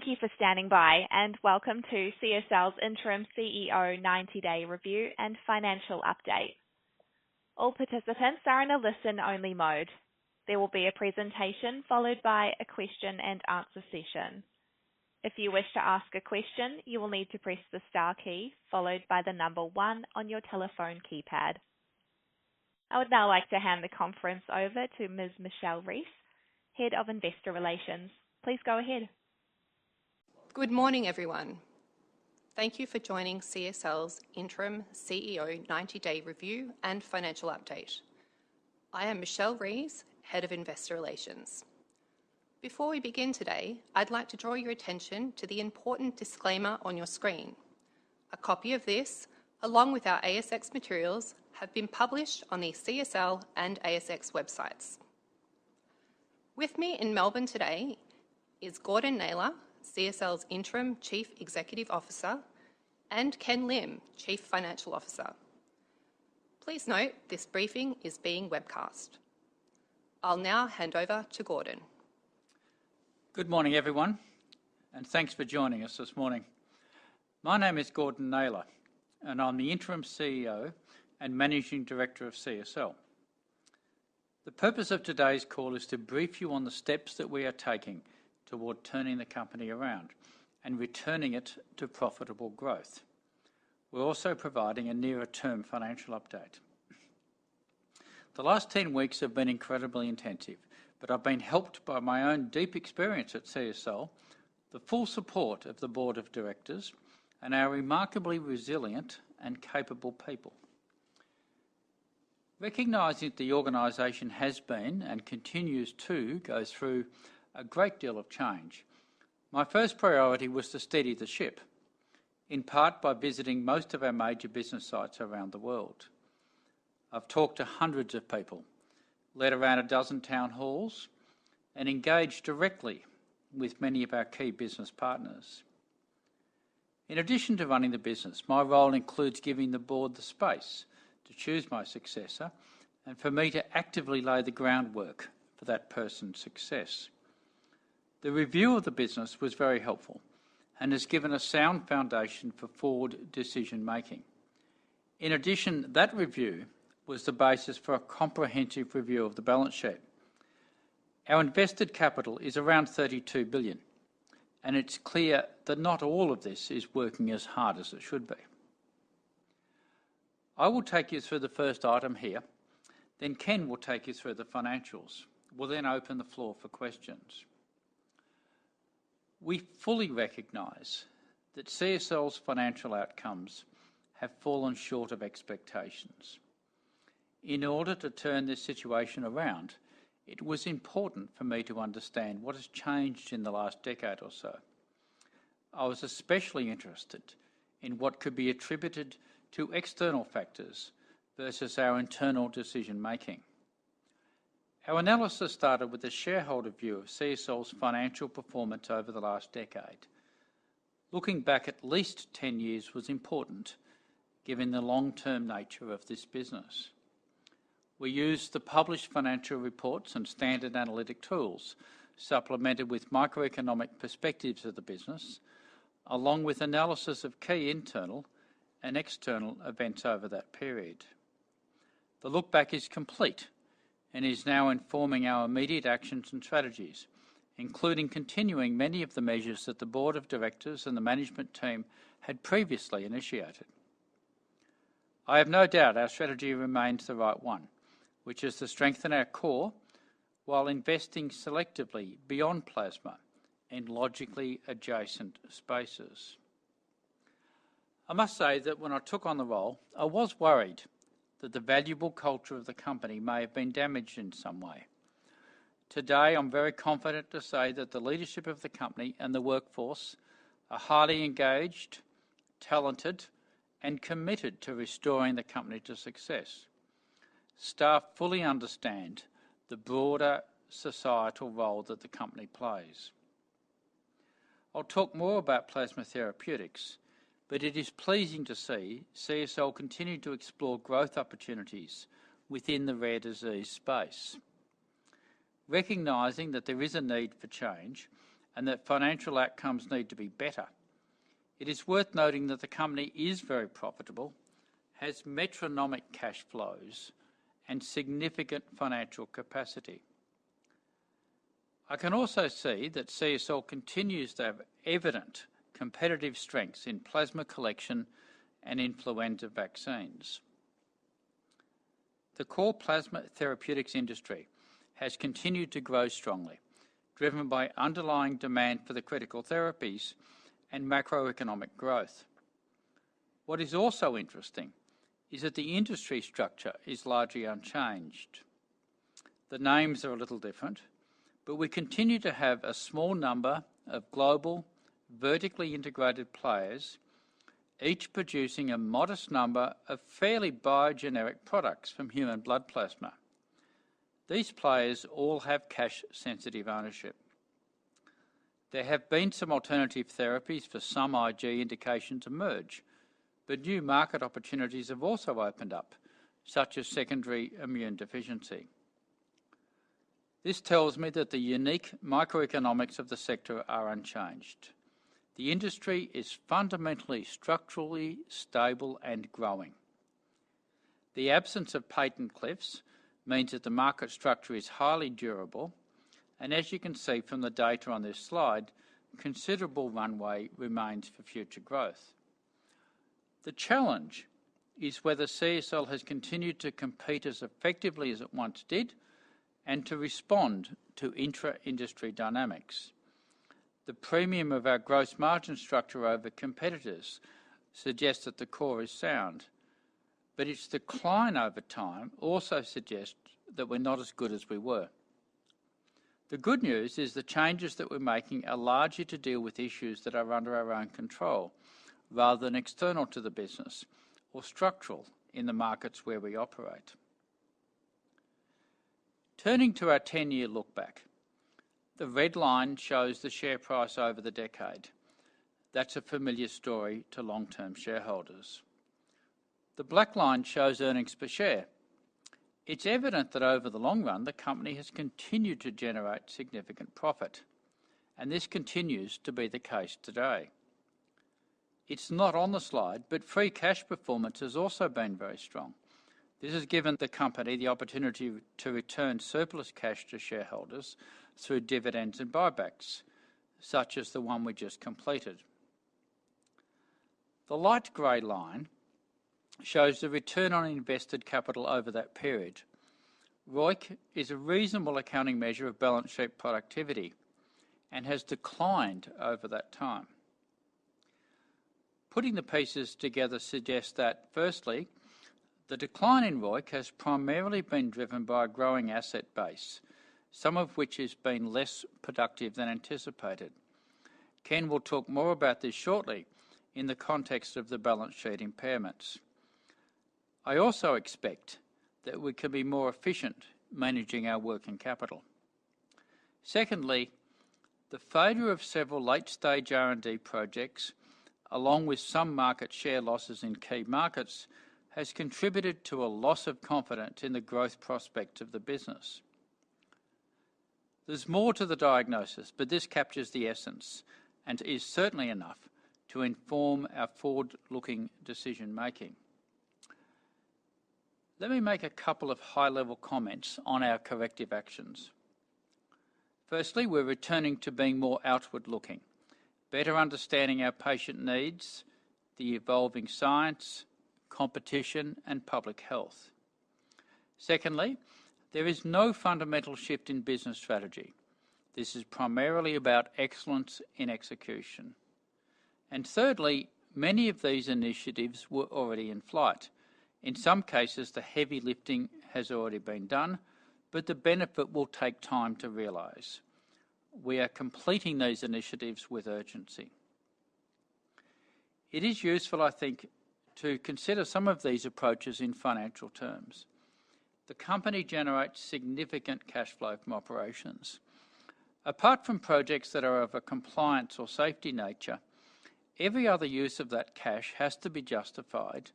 Thank you for standing by, and welcome to CSL's Interim CEO 90-Day Review and Financial Update. I would now like to hand the conference over to Ms. Michelle Rees, Head of Investor Relations. Please go ahead. Good morning, everyone. Thank you for joining CSL's Interim Chief Executive Officer 90-Day Review and Financial Update. I am Michelle Rees, Head of Investor Relations. Before we begin today, I'd like to draw your attention to the important disclaimer on your screen. A copy of this, along with our ASX materials, have been published on the CSL and ASX websites. With me in Melbourne today is Gordon Naylor, CSL's Interim Chief Executive Officer, and Ken Lim, Chief Financial Officer. Please note this briefing is being webcast. I'll now hand over to Gordon. Good morning, everyone, and thanks for joining us this morning. My name is Gordon Naylor, and I'm the interim CEO and Managing Director of CSL. The purpose of today's call is to brief you on the steps that we are taking toward turning the company around and returning it to profitable growth. We're also providing a nearer term financial update. The last 10 weeks have been incredibly intensive, I've been helped by my own deep experience at CSL, the full support of the board of directors, and our remarkably resilient and capable people. Recognizing that the organization has been and continues to go through a great deal of change, my first priority was to steady the ship, in part by visiting most of our major business sites around the world. I've talked to hundreds of people, led around a dozen town halls, and engaged directly with many of our key business partners. In addition to running the business, my role includes giving the board the space to choose my successor and for me to actively lay the groundwork for that person's success. The review of the business was very helpful and has given a sound foundation for forward decision-making. In addition, that review was the basis for a comprehensive review of the balance sheet. Our invested capital is around 32 billion, and it's clear that not all of this is working as hard as it should be. I will take you through the first item here, then Ken will take you through the financials. We'll then open the floor for questions. We fully recognize that CSL's financial outcomes have fallen short of expectations. In order to turn this situation around, it was important for me to understand what has changed in the last decade or so. I was especially interested in what could be attributed to external factors versus our internal decision-making. Our analysis started with the shareholder view of CSL's financial performance over the last decade. Looking back at least 10 years was important given the long-term nature of this business. We used the published financial reports and standard analytic tools, supplemented with microeconomic perspectives of the business, along with analysis of key internal and external events over that period. The look back is complete and is now informing our immediate actions and strategies, including continuing many of the measures that the board of directors and the management team had previously initiated. I have no doubt our strategy remains the right one, which is to strengthen our core while investing selectively beyond plasma in logically adjacent spaces. I must say that when I took on the role, I was worried that the valuable culture of the company may have been damaged in some way. Today, I'm very confident to say that the leadership of the company and the workforce are highly engaged, talented, and committed to restoring the company to success. Staff fully understand the broader societal role that the company plays. I'll talk more about plasma therapeutics, but it is pleasing to see CSL continue to explore growth opportunities within the rare disease space. Recognizing that there is a need for change and that financial outcomes need to be better, it is worth noting that the company is very profitable, has metronomic cash flows, and significant financial capacity. I can also see that CSL continues to have evident competitive strengths in plasma collection and influenza vaccines. The core plasma therapeutics industry has continued to grow strongly, driven by underlying demand for the critical therapies and macroeconomic growth. What is also interesting is that the industry structure is largely unchanged. The names are a little different, but we continue to have a small number of global, vertically integrated players, each producing a modest number of fairly biogeneric products from human blood plasma. These players all have cash-sensitive ownership. There have been some alternative therapies for some IG indications emerge, but new market opportunities have also opened up, such as secondary immune deficiency. This tells me that the unique microeconomics of the sector are unchanged. The industry is fundamentally structurally stable and growing. The absence of patent cliffs means that the market structure is highly durable, and as you can see from the data on this slide, considerable runway remains for future growth. The challenge is whether CSL has continued to compete as effectively as it once did and to respond to intra-industry dynamics. The premium of our gross margin structure over competitors suggests that the core is sound, but its decline over time also suggests that we're not as good as we were. The good news is the changes that we're making are largely to deal with issues that are under our own control rather than external to the business or structural in the markets where we operate. Turning to our 10-year look back, the red line shows the share price over the decade. That's a familiar story to long-term shareholders. The black line shows earnings per share. It's evident that over the long run, the company has continued to generate significant profit, and this continues to be the case today. It's not on the slide, but free cash performance has also been very strong. This has given the company the opportunity to return surplus cash to shareholders through dividends and buybacks, such as the one we just completed. The light gray line shows the return on invested capital over that period. ROIC is a reasonable accounting measure of balance sheet productivity and has declined over that time. Putting the pieces together suggests that, firstly, the decline in ROIC has primarily been driven by a growing asset base, some of which has been less productive than anticipated. Ken will talk more about this shortly in the context of the balance sheet impairments. I also expect that we can be more efficient managing our working capital. Secondly, the failure of several late-stage R&D projects, along with some market share losses in key markets, has contributed to a loss of confidence in the growth prospects of the business. There's more to the diagnosis, but this captures the essence and is certainly enough to inform our forward-looking decision-making. Let me make a couple of high-level comments on our corrective actions. Firstly, we're returning to being more outward-looking, better understanding our patient needs, the evolving science, competition, and public health. Secondly, there is no fundamental shift in business strategy. This is primarily about excellence in execution. Thirdly, many of these initiatives were already in flight. In some cases, the heavy lifting has already been done, but the benefit will take time to realize. We are completing these initiatives with urgency. It is useful, I think, to consider some of these approaches in financial terms. The company generates significant cash flow from operations. Apart from projects that are of a compliance or safety nature, every other use of that cash has to be justified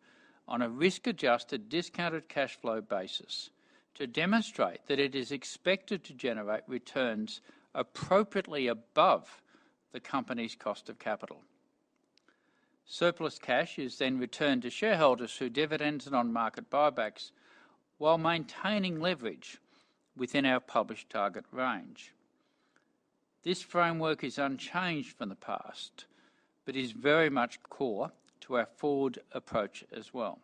on a risk-adjusted discounted cash flow basis to demonstrate that it is expected to generate returns appropriately above the company's cost of capital. Surplus cash is then returned to shareholders through dividends and on-market buybacks while maintaining leverage within our published target range. This framework is unchanged from the past but is very much core to our forward approach as well.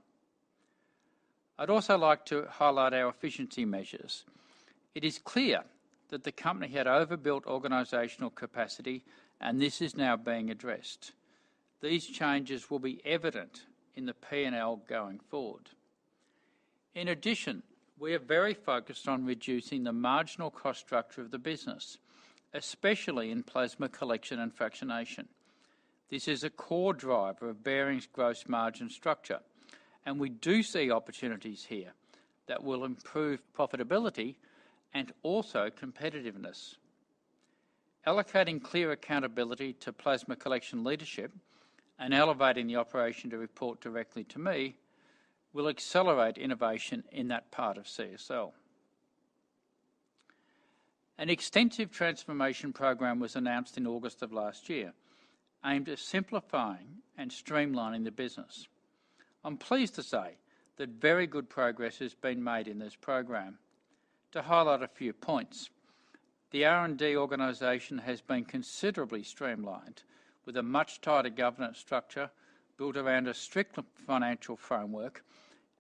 I'd also like to highlight our efficiency measures. It is clear that the company had overbuilt organizational capacity, and this is now being addressed. These changes will be evident in the P&L going forward. In addition, we are very focused on reducing the marginal cost structure of the business, especially in plasma collection and fractionation. This is a core driver of Behring's gross margin structure, and we do see opportunities here that will improve profitability and also competitiveness. Allocating clear accountability to plasma collection leadership and elevating the operation to report directly to me will accelerate innovation in that part of CSL. An extensive transformation program was announced in August of last year aimed at simplifying and streamlining the business. I'm pleased to say that very good progress has been made in this program. To highlight a few points, the R&D organization has been considerably streamlined with a much tighter governance structure built around a stricter financial framework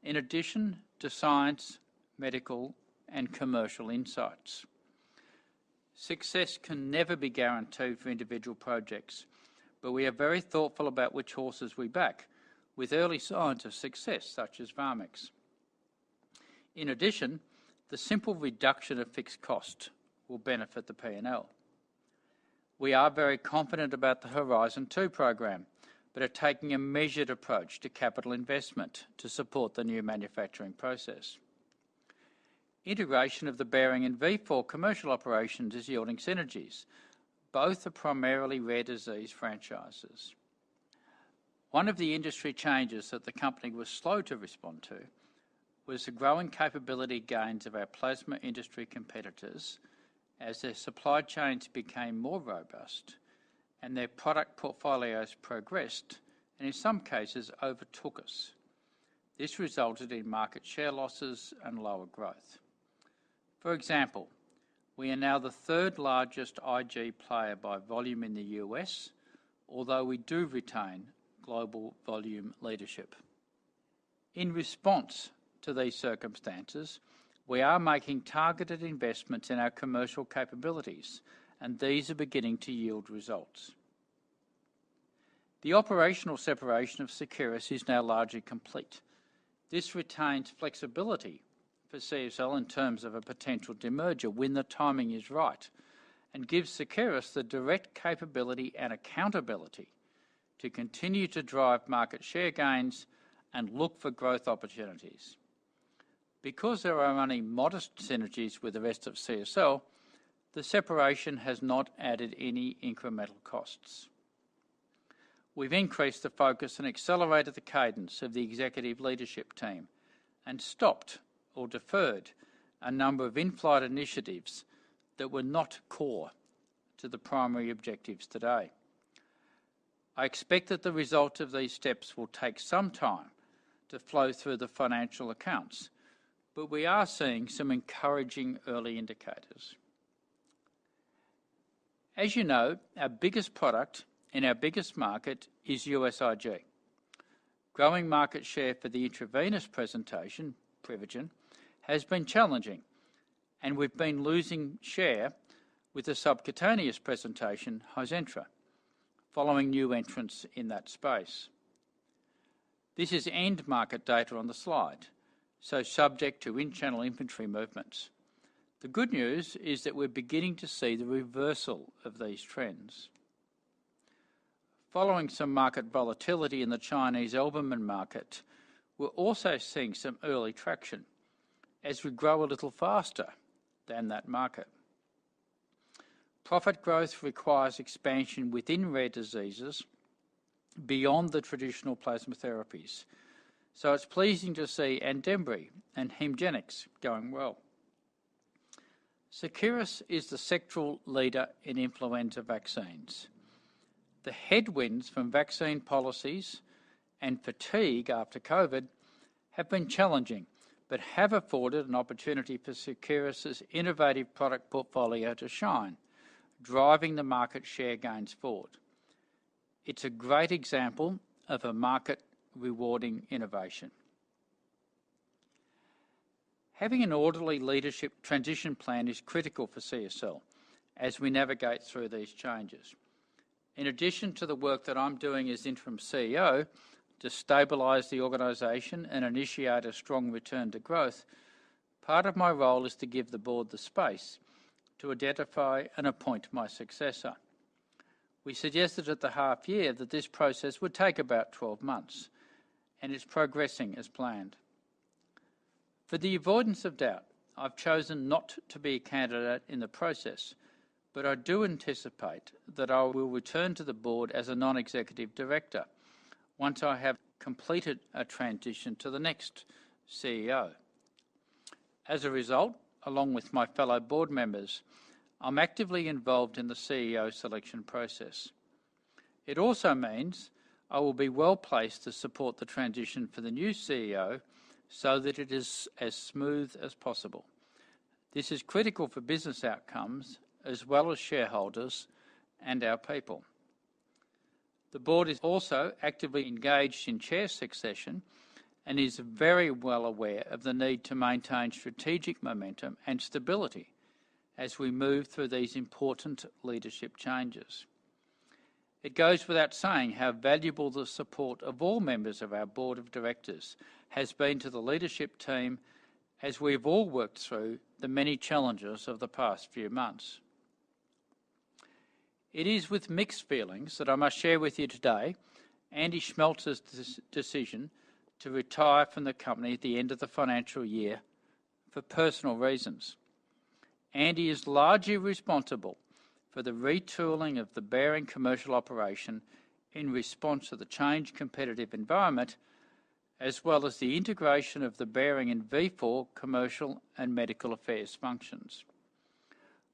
in addition to science, medical, and commercial insights. Success can never be guaranteed for individual projects, but we are very thoughtful about which horses we back with early signs of success, such as garadacimab. In addition, the simple reduction of fixed cost will benefit the P&L. We are very confident about the Horizon 2 program but are taking a measured approach to capital investment to support the new manufacturing process. Integration of the Behring and Vifor commercial operations is yielding synergies. Both are primarily rare disease franchises. One of the industry changes that the company was slow to respond to was the growing capability gains of our plasma industry competitors as their supply chains became more robust and their product portfolios progressed, and in some cases overtook us. This resulted in market share losses and lower growth. For example, we are now the third-largest IG player by volume in the U.S., although we do retain global volume leadership. In response to these circumstances, we are making targeted investments in our commercial capabilities, and these are beginning to yield results. The operational separation of Seqirus is now largely complete. This retains flexibility for CSL in terms of a potential demerger when the timing is right, and gives Seqirus the direct capability and accountability to continue to drive market share gains and look for growth opportunities. Because there are only modest synergies with the rest of CSL, the separation has not added any incremental costs. We've increased the focus and accelerated the cadence of the executive leadership team and stopped or deferred a number of in-flight initiatives that were not core to the primary objectives today. I expect that the result of these steps will take some time to flow through the financial accounts, but we are seeing some encouraging early indicators. As you know, our biggest product in our biggest market is US IG. Growing market share for the intravenous presentation, Privigen, has been challenging, and we've been losing share with the subcutaneous presentation, Hizentra, following new entrants in that space. This is end market data on the slide, so subject to in-channel inventory movements. The good news is that we're beginning to see the reversal of these trends. Following some market volatility in the Chinese albumin market, we're also seeing some early traction as we grow a little faster than that market. Profit growth requires expansion within rare diseases beyond the traditional plasma therapies, so it's pleasing to see ANDEMBRY and HEMGENIX going well. Seqirus is the sectoral leader in influenza vaccines. The headwinds from vaccine policies and fatigue after COVID have been challenging, but have afforded an opportunity for Seqirus' innovative product portfolio to shine, driving the market share gains forward. It's a great example of a market-rewarding innovation. Having an orderly leadership transition plan is critical for CSL as we navigate through these changes. In addition to the work that I'm doing as interim CEO to stabilize the organization and initiate a strong return to growth, part of my role is to give the board the space to identify and appoint my successor. We suggested at the half year that this process would take about 12 months, and it's progressing as planned. For the avoidance of doubt, I've chosen not to be a candidate in the process, but I do anticipate that I will return to the board as a non-executive director once I have completed a transition to the next CEO. As a result, along with my fellow board members, I'm actively involved in the CEO selection process. It also means I will be well-placed to support the transition for the new CEO so that it is as smooth as possible. This is critical for business outcomes, as well as shareholders and our people. The board is also actively engaged in chair succession and is very well aware of the need to maintain strategic momentum and stability as we move through these important leadership changes. It goes without saying how valuable the support of all members of our board of directors has been to the leadership team as we've all worked through the many challenges of the past few months. It is with mixed feelings that I must share with you today Andy Schmeltz's decision to retire from the company at the end of the financial year for personal reasons. Andy is largely responsible for the retooling of the Behring commercial operation in response to the change competitive environment, as well as the integration of the Behring and Vifor commercial and medical affairs functions.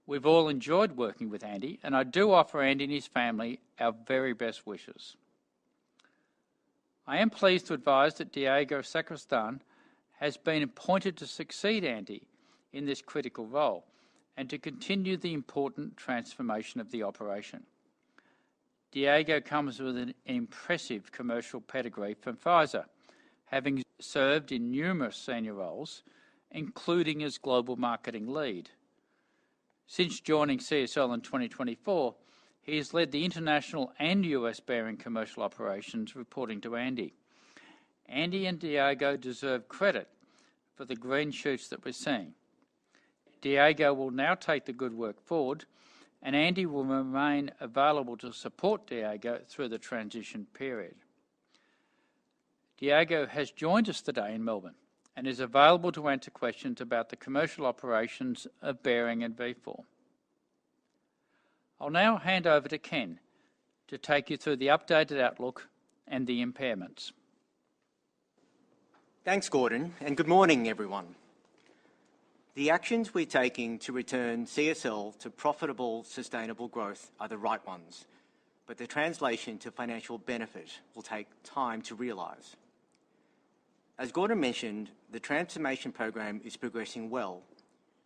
We've all enjoyed working with Andy, and I do offer Andy and his family our very best wishes. I am pleased to advise that Diego Sacristan has been appointed to succeed Andy in this critical role and to continue the important transformation of the operation. Diego comes with an impressive commercial pedigree from Pfizer, having served in numerous senior roles, including as Global Marketing Lead. Since joining CSL in 2024, he has led the international and U.S. Behring commercial operations reporting to Andy. Andy and Diego deserve credit for the green shoots that we're seeing. Diego will now take the good work forward, and Andy will remain available to support Diego through the transition period. Diego has joined us today in Melbourne and is available to answer questions about the commercial operations of Behring and Vifor. I'll now hand over to Ken to take you through the updated outlook and the impairments. Thanks, Gordon, and good morning, everyone. The actions we're taking to return CSL to profitable, sustainable growth are the right ones, but the translation to financial benefit will take time to realize. As Gordon mentioned, the transformation program is progressing well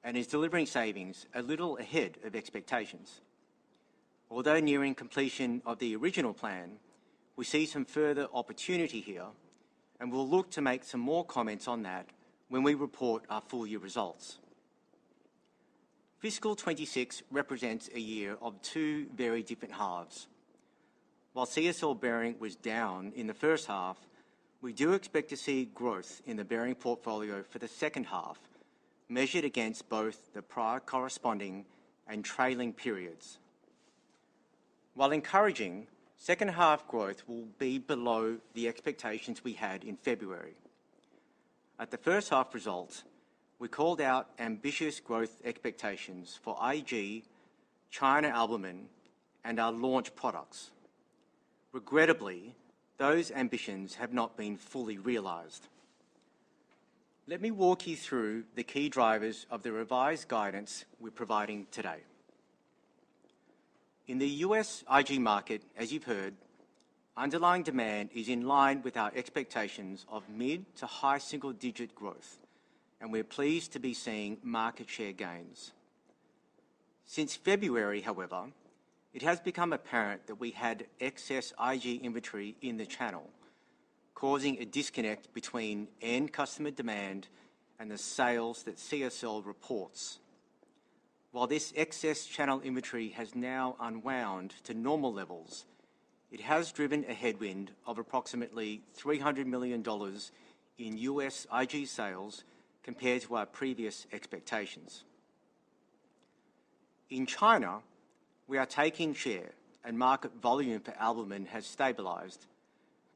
and is delivering savings a little ahead of expectations. Although nearing completion of the original plan, we see some further opportunity here, and we will look to make some more comments on that when we report our full-year results. FY 2026 represents a year of two very different halves. While CSL Behring was down in the first half, we do expect to see growth in the Behring portfolio for the second half, measured against both the prior corresponding and trailing periods. While encouraging, second-half growth will be below the expectations we had in February. At the first-half results, we called out ambitious growth expectations for IG, China albumin, and our launch products. Regrettably, those ambitions have not been fully realized. Let me walk you through the key drivers of the revised guidance we're providing today. In the U.S. IG market, as you've heard, underlying demand is in line with our expectations of mid to high single-digit growth, and we're pleased to be seeing market share gains. Since February, however, it has become apparent that we had excess IG inventory in the channel, causing a disconnect between end customer demand and the sales that CSL reports. While this excess channel inventory has now unwound to normal levels, it has driven a headwind of approximately $300 million in U.S. IG sales compared to our previous expectations. In China, we are taking share, and market volume for albumin has stabilized.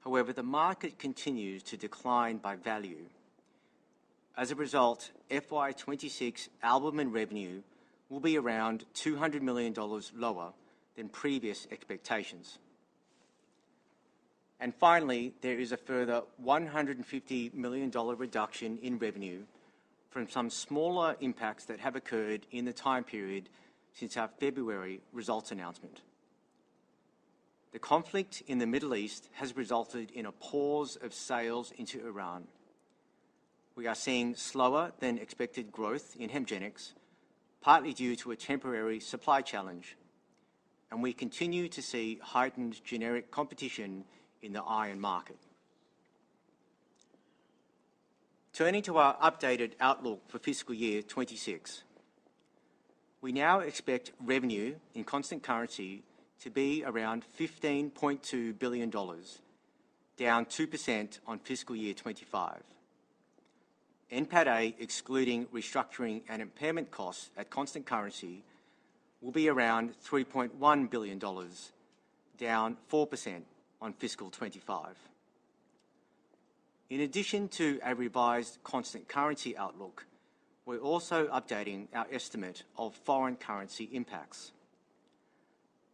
However, the market continues to decline by value. As a result, FY 2026 albumin revenue will be around 200 million dollars lower than previous expectations. Finally, there is a further 150 million dollar reduction in revenue from some smaller impacts that have occurred in the time period since our February results announcement. The conflict in the Middle East has resulted in a pause of sales into Iran. We are seeing slower than expected growth in HEMGENIX, partly due to a temporary supply challenge, and we continue to see heightened generic competition in the iron market. Turning to our updated outlook for FY 2026. We now expect revenue in constant currency to be around 15.2 billion dollars, down 2% on FY 2025. NPAT-A, excluding restructuring and impairment costs at constant currency, will be around 3.1 billion dollars, down 4% on FY 2025. In addition to a revised constant currency outlook, we're also updating our estimate of foreign currency impacts.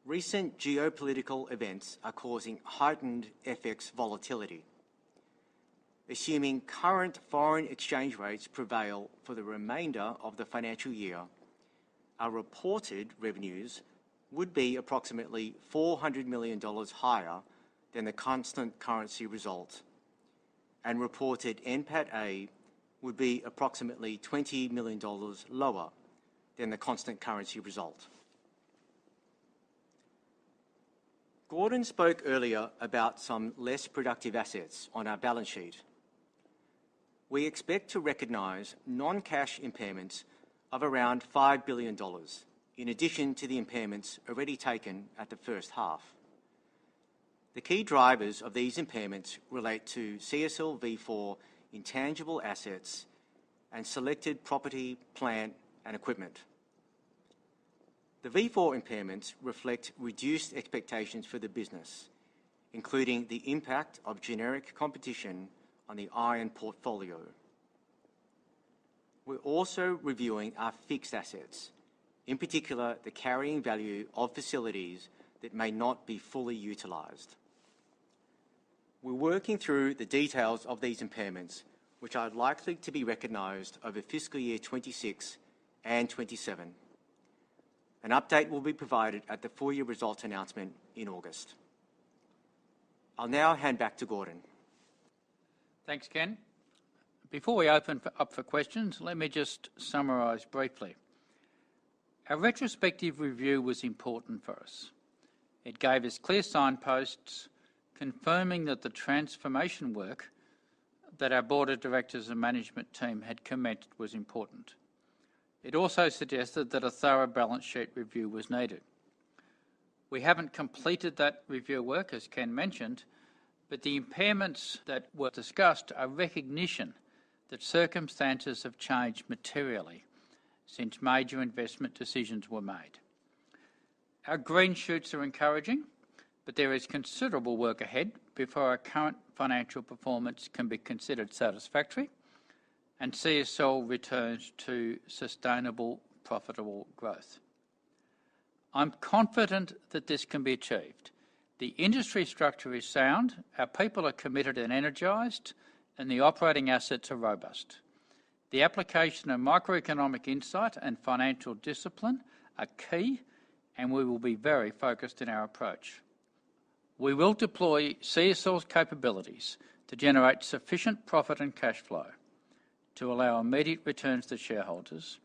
Recent geopolitical events are causing heightened FX volatility. Assuming current foreign exchange rates prevail for the remainder of the financial year, our reported revenues would be approximately 400 million dollars higher than the constant currency result, and reported NPAT-A would be approximately 20 million dollars lower than the constant currency result. Gordon spoke earlier about some less productive assets on our balance sheet. We expect to recognize non-cash impairments of around 5 billion dollars, in addition to the impairments already taken at the first half. The key drivers of these impairments relate to CSL Vifor intangible assets and selected property, plant, and equipment. The Vifor impairments reflect reduced expectations for the business, including the impact of generic competition on the iron portfolio. We're also reviewing our fixed assets, in particular, the carrying value of facilities that may not be fully utilized. We're working through the details of these impairments, which are likely to be recognized over FY 2026 and FY 2027. An update will be provided at the full-year results announcement in August. I'll now hand back to Gordon. Thanks, Ken. Before we open up for questions, let me just summarize briefly. Our retrospective review was important for us. It gave us clear signposts confirming that the transformation work that our board of directors and management team had commenced was important. It also suggested that a thorough balance sheet review was needed. We haven't completed that review work, as Ken mentioned, but the impairments that were discussed are recognition that circumstances have changed materially since major investment decisions were made. Our green shoots are encouraging, but there is considerable work ahead before our current financial performance can be considered satisfactory. CSL returns to sustainable, profitable growth. I'm confident that this can be achieved. The industry structure is sound, our people are committed and energized, and the operating assets are robust. The application of microeconomic insight and financial discipline are key, and we will be very focused in our approach. We will deploy CSL's capabilities to generate sufficient profit and cash flow to allow immediate returns to shareholders,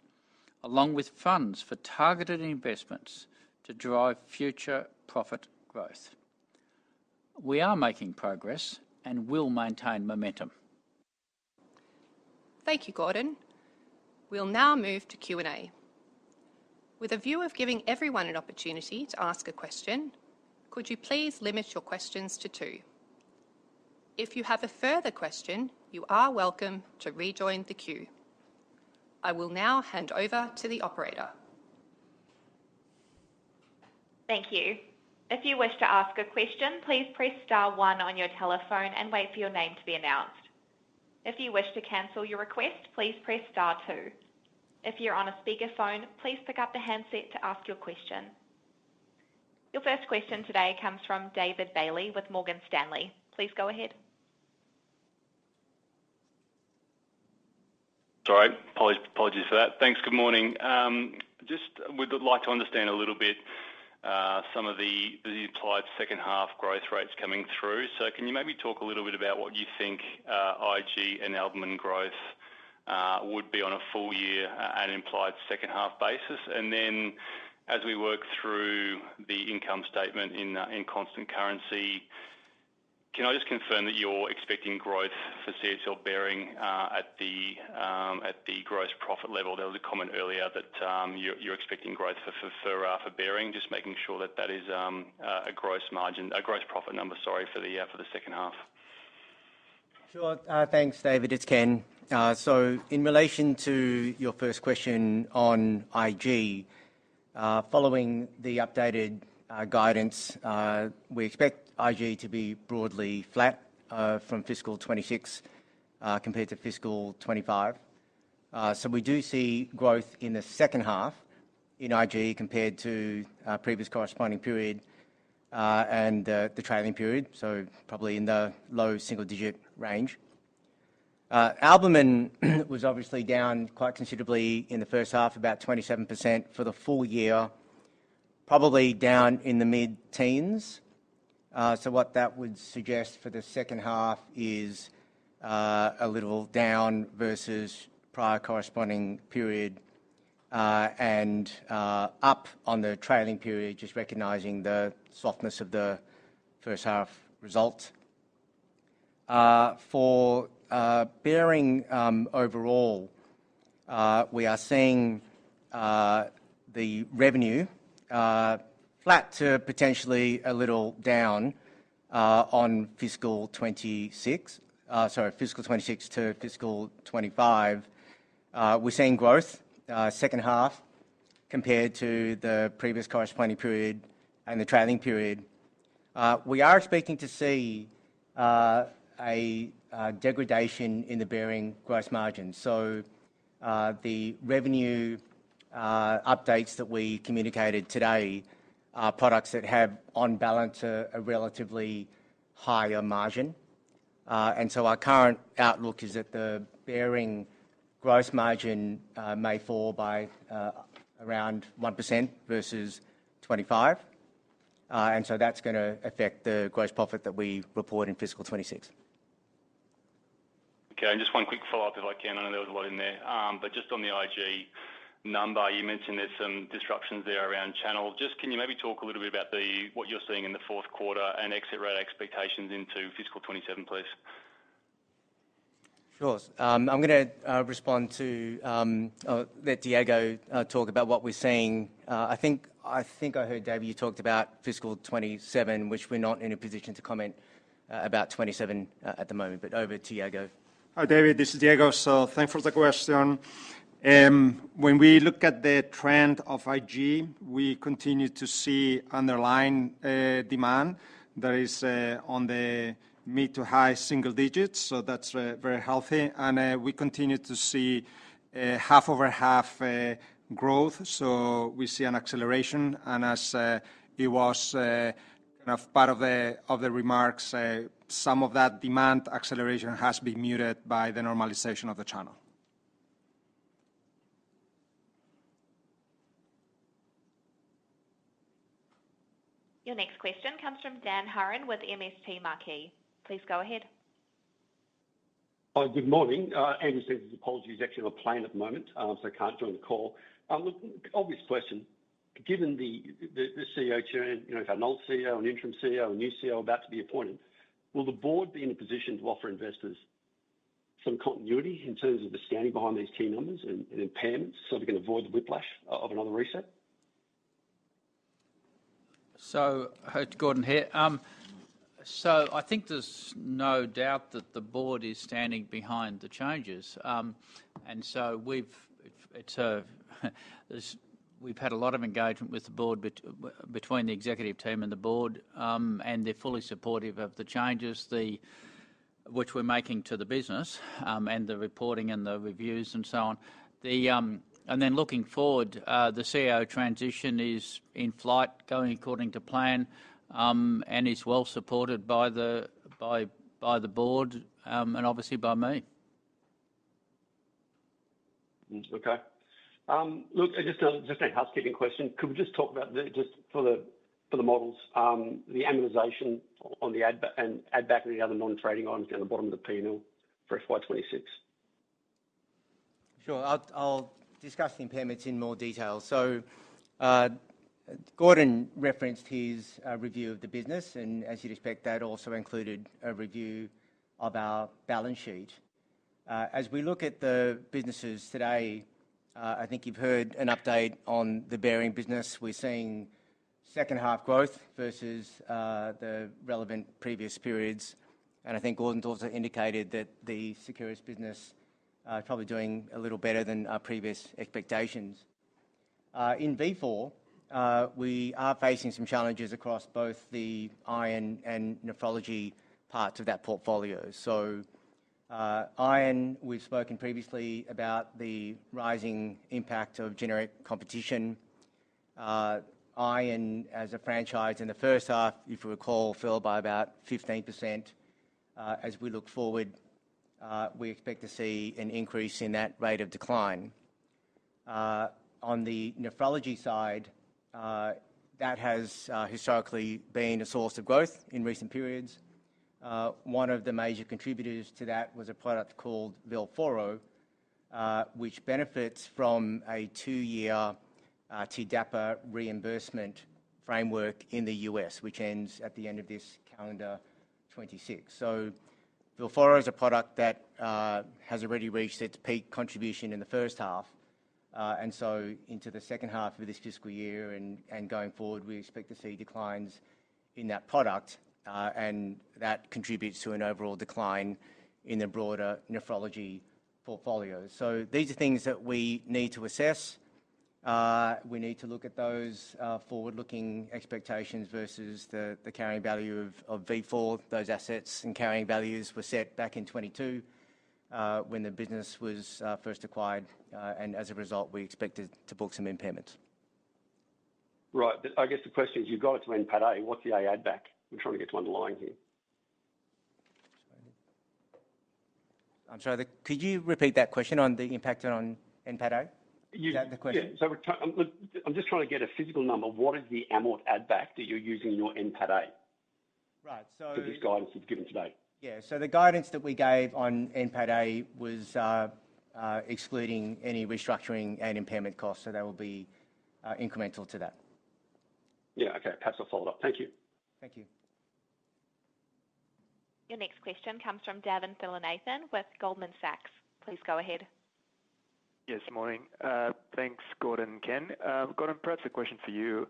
along with funds for targeted investments to drive future profit growth. We are making progress and will maintain momentum. Thank you, Gordon. We'll now move to Q&A. With a view of giving everyone an opportunity to ask a question, could you please limit your questions to two? If you have a further question, you are welcome to rejoin the queue. I will now hand over to the operator. Your first question today comes from David Bailey with Morgan Stanley. Please go ahead. Sorry, apologies for that. Thanks. Good morning. Just would like to understand a little bit some of the implied second half growth rates coming through. Can you maybe talk a little bit about what you think IG and albumin growth would be on a full year, an implied second half basis? As we work through the income statement in constant currency, can I just confirm that you're expecting growth for CSL Behring at the gross profit level? There was a comment earlier that you're expecting growth for Behring. Just making sure that that is a gross profit number, sorry, for the second half. Sure. Thanks, David. It's Ken. In relation to your first question on IG, following the updated guidance, we expect IG to be broadly flat from FY 2026 compared to FY 2025. We do see growth in the second half in IG compared to previous corresponding period and the trailing period. Probably in the low single digit range. Albumin was obviously down quite considerably in the first half, about 27% for the full year, probably down in the mid-teens. What that would suggest for the second half is a little down versus prior corresponding period and up on the trailing period, just recognizing the softness of the first half result. For Behring, overall, we are seeing the revenue flat to potentially a little down on FY 2026 to FY 2025. We're seeing growth, second half compared to the previous corresponding period and the trailing period. We are expecting to see a degradation in the Behring gross margin. The revenue updates that we communicated today are products that have, on balance, a relatively higher margin. Our current outlook is that the Behring gross margin may fall by around 1% versus 2025. That's gonna affect the gross profit that we report in FY 2026. Okay. Just one quick follow-up if I can. I know there was a lot in there. Just on the IG number, you mentioned there is some disruptions there around channel. Just can you maybe talk a little bit about what you are seeing in the fourth quarter and exit rate expectations into fiscal 2027, please? Sure. I'm gonna respond to let Diego talk about what we're seeing. I think I heard, David, you talked about FY 2027, which we're not in a position to comment about 2027 at the moment. Over to Diego. Hi, David, this is Diego. Thanks for the question. When we look at the trend of IG, we continue to see underlying demand that is on the mid to high single digits. That's very healthy. We continue to see half-over-half growth. We see an acceleration. As it was kind of part of the remarks, some of that demand acceleration has been muted by the normalization of the channel. Your next question comes from Dan Hurren with MST Marquee. Please go ahead. Good morning. Andrew sends his apologies. He's actually on a plane at the moment, can't join the call. Look, obvious question. Given the CEO churn, you know, we've had an old CEO, an interim CEO, a new CEO about to be appointed, will the board be in a position to offer investors some continuity in terms of the standing behind these key numbers and impairments so we can avoid the whiplash of another reset? It's Gordon here. I think there's no doubt that the board is standing behind the changes. It's, we've had a lot of engagement with the board between the executive team and the board. They're fully supportive of the changes which we're making to the business, and the reporting and the reviews and so on. Looking forward, the CEO transition is in flight, going according to plan, and is well supported by the board, and obviously by me. Okay. Look, just a, just a housekeeping question. Could we just talk about the, just for the, for the models, the amortization and add back and the other non-trading items down the bottom of the P&L for FY 2026? Sure. I'll discuss the impairments in more detail. Gordon referenced his review of the business, and as you'd expect, that also included a review of our balance sheet. As we look at the businesses today, I think you've heard an update on the Behring business. We're seeing second half growth versus the relevant previous periods. I think Gordon also indicated that the Seqirus business are probably doing a little better than our previous expectations. In Vifor, we are facing some challenges across both the iron and nephrology parts of that portfolio. Iron, we've spoken previously about the rising impact of generic competition. Iron as a franchise in the first half, if you recall, fell by about 15%. As we look forward, we expect to see an increase in that rate of decline. On the nephrology side, that has historically been a source of growth in recent periods. One of the major contributors to that was a product called Filspari, which benefits from a two-year TDAPA reimbursement framework in the U.S., which ends at the end of this calendar 2026. Filspari is a product that has already reached its peak contribution in the first half. Into the second half of this FY and going forward, we expect to see declines in that product, and that contributes to an overall decline in the broader nephrology portfolio. These are things that we need to assess. We need to look at those forward-looking expectations versus the carrying value of Vifor. Those assets and carrying values were set back in 2022, when the business was first acquired. As a result, we expected to book some impairments. Right. I guess the question is, you've got it to NPATA. What's the add back? I'm trying to get to underlying here. I'm sorry. Could you repeat that question on the impact on NPATA? You- Is that the question? Yeah. I'm just trying to get a physical number. What is the amort add back that you're using in your NPATA? Right. So- For this guidance you've given today. Yeah. The guidance that we gave on NPATA was excluding any restructuring and impairment costs. That will be incremental to that. Yeah. Okay. Perhaps I'll follow up. Thank you. Thank you. Your next question comes from Davin Thillainathan with Goldman Sachs. Please go ahead. Yes. Morning. Thanks, Gordon and Ken. Gordon, perhaps a question for you.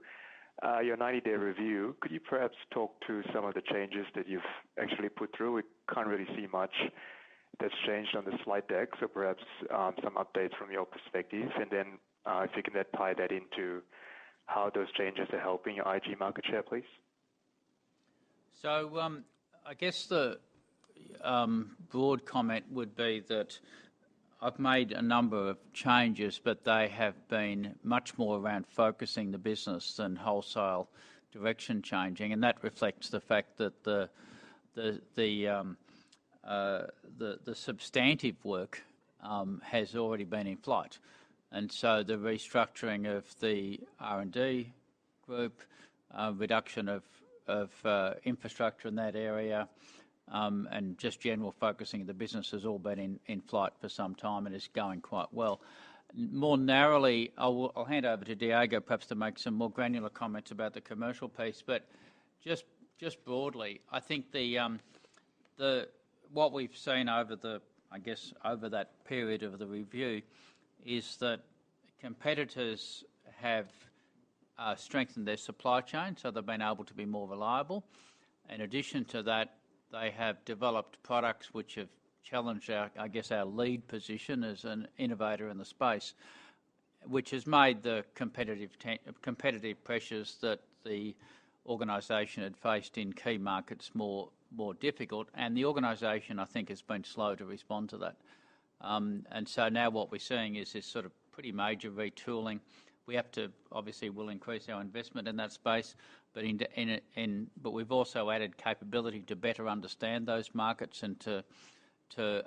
Your 90-day review, could you perhaps talk to some of the changes that you've actually put through? We can't really see much that's changed on the slide deck. Perhaps, some updates from your perspective. Then, if you can then tie that into how those changes are helping your IG market share, please. I guess the broad comment would be that I've made a number of changes, but they have been much more around focusing the business than wholesale direction changing. And that reflects the fact that the substantive work has already been in flight. The restructuring of the R&D group, reduction of infrastructure in that area, and just general focusing of the business has all been in flight for some time and is going quite well. More narrowly, I'll hand over to Diego perhaps to make some more granular comments about the commercial piece. Just broadly, I think the what we've seen over the, I guess, over that period of the review is that competitors have strengthened their supply chain, so they've been able to be more reliable. In addition to that, they have developed products which have challenged our, I guess, our lead position as an innovator in the space, which has made the competitive pressures that the organization had faced in key markets more, more difficult. The organization, I think, has been slow to respond to that. Now what we're seeing is this sort of pretty major retooling. Obviously, we'll increase our investment in that space, but we've also added capability to better understand those markets and to,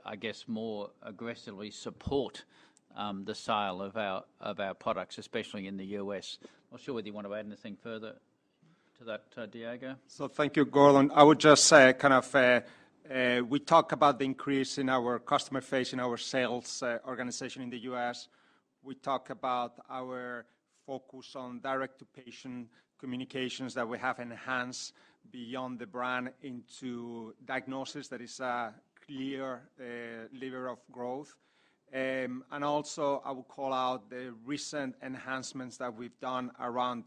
I guess, more aggressively support the sale of our products, especially in the U.S. Not sure whether you want to add anything further to that, Diego. Thank you, Gordon. I would just say kind of, we talk about the increase in our customer base, in our sales organization in the U.S. We talk about our focus on direct-to-patient communications that we have enhanced beyond the brand into diagnosis that is a clear lever of growth. And also, I would call out the recent enhancements that we've done around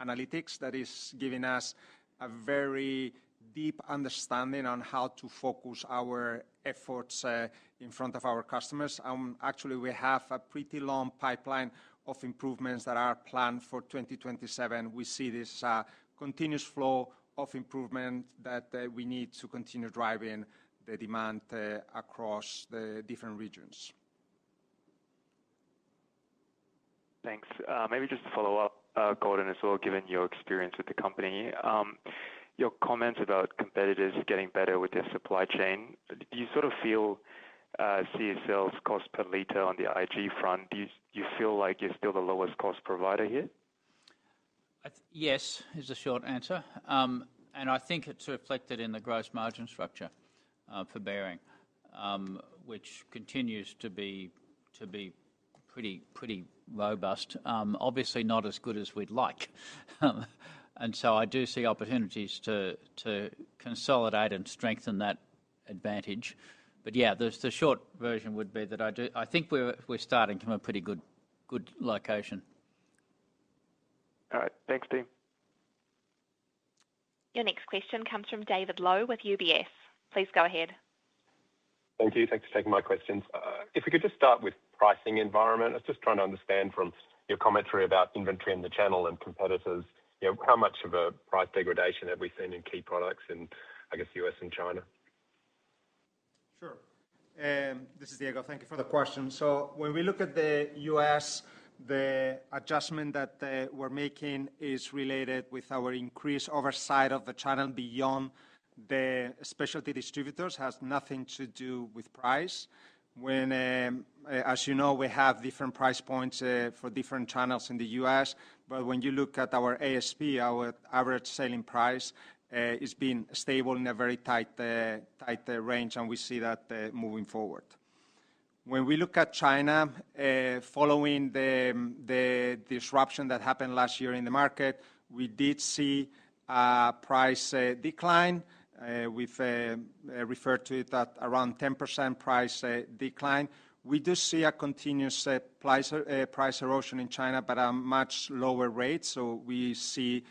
analytics that is giving us a very deep understanding on how to focus our efforts in front of our customers. Actually, we have a pretty long pipeline of improvements that are planned for 2027. We see this continuous flow of improvement that we need to continue driving the demand across the different regions. Thanks. Maybe just to follow up, Gordon as well, given your experience with the company. Your comments about competitors getting better with their supply chain, do you sort of feel CSL's cost per liter on the IG front, do you feel like you're still the lowest cost provider here? Yes is the short answer. I think it's reflected in the gross margin structure for Behring, which continues to be pretty robust. Obviously not as good as we'd like. I do see opportunities to consolidate and strengthen that advantage. Yeah, the short version would be that I do I think we're starting from a pretty good location. All right. Thanks, team. Your next question comes from David Low with UBS. Please go ahead. Thank you. Thanks for taking my questions. If we could just start with pricing environment. I was just trying to understand from your commentary about inventory in the channel and competitors, you know, how much of a price degradation have we seen in key products in, I guess, U.S. and China? Sure. This is Diego. Thank you for the question. When we look at the U.S., the adjustment that we're making is related with our increased oversight of the channel beyond the specialty distributors. It has nothing to do with price. When, as you know, we have different price points for different channels in the U.S. When you look at our ASP, our average selling price, it's been stable in a very tight range, and we see that moving forward. When we look at China, following the disruption that happened last year in the market, we did see a price decline. We've referred to it at around 10% price decline. We do see a continuous price erosion in China, but at much lower rates. We see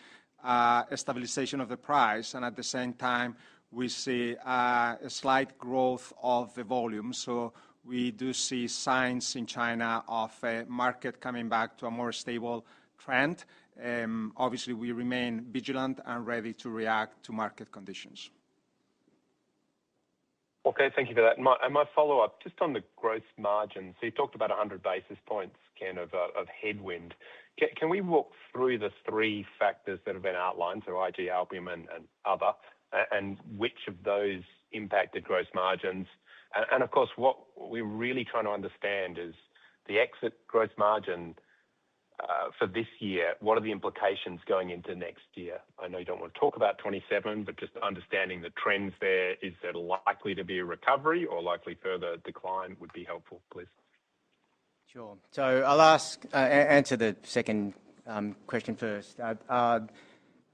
a stabilization of the price, and at the same time, we see a slight growth of the volume. We do see signs in China of a market coming back to a more stable trend. Obviously, we remain vigilant and ready to react to market conditions. Okay. Thank you for that. My follow-up, just on the gross margins. You talked about 100 basis points, Ken, of headwind. Can we walk through the three factors that have been outlined, so IG, albumin and other, and which of those impacted gross margins? Of course, what we're really trying to understand is the exit gross margin for this year, what are the implications going into next year? I know you don't wanna talk about 2027, just understanding the trends there. Is there likely to be a recovery or likely further decline would be helpful, please. Sure. I'll answer the second question first.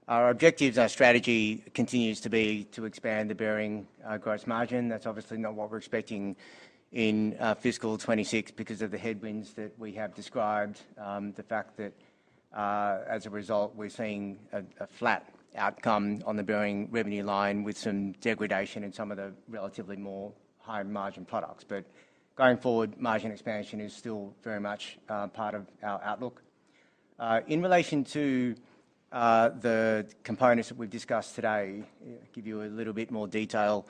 Our objectives, our strategy continues to be to expand the CSL Behring gross margin. That's obviously not what we're expecting in FY 2026 because of the headwinds that we have described, the fact that, as a result, we're seeing a flat outcome on the CSL Behring revenue line with some degradation in some of the relatively more higher margin products. Going forward, margin expansion is still very much part of our outlook. In relation to the components that we've discussed today, give you a little bit more detail.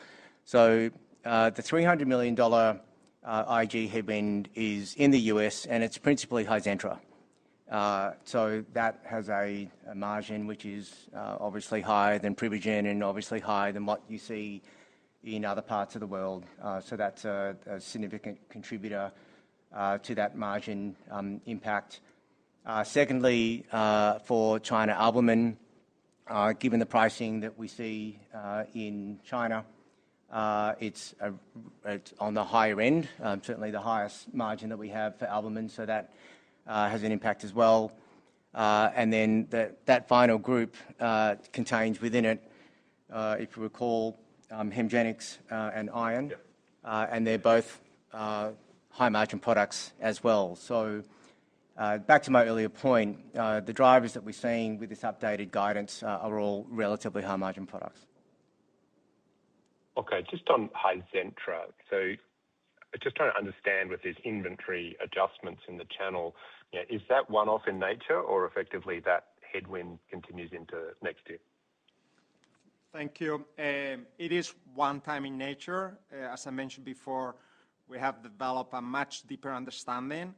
The $300 million IG headwind is in the U.S., and it's principally Hizentra. So that has a margin which is obviously higher than Privigen and obviously higher than what you see in other parts of the world. So that's a significant contributor to that margin impact. Secondly, for China albumin, given the pricing that we see in China, it's on the higher end, certainly the highest margin that we have for albumin, so that has an impact as well. Then that final group contains within it, if you recall, HEMGENIX and iron. Yep. They're both high margin products as well. Back to my earlier point, the drivers that we're seeing with this updated guidance, are all relatively high margin products. Okay. Just on Hizentra. Just trying to understand with these inventory adjustments in the channel, you know, is that one-off in nature or effectively that headwind continues into next year? Thank you. It is one time in nature. As I mentioned before, we have developed a much deeper understanding, and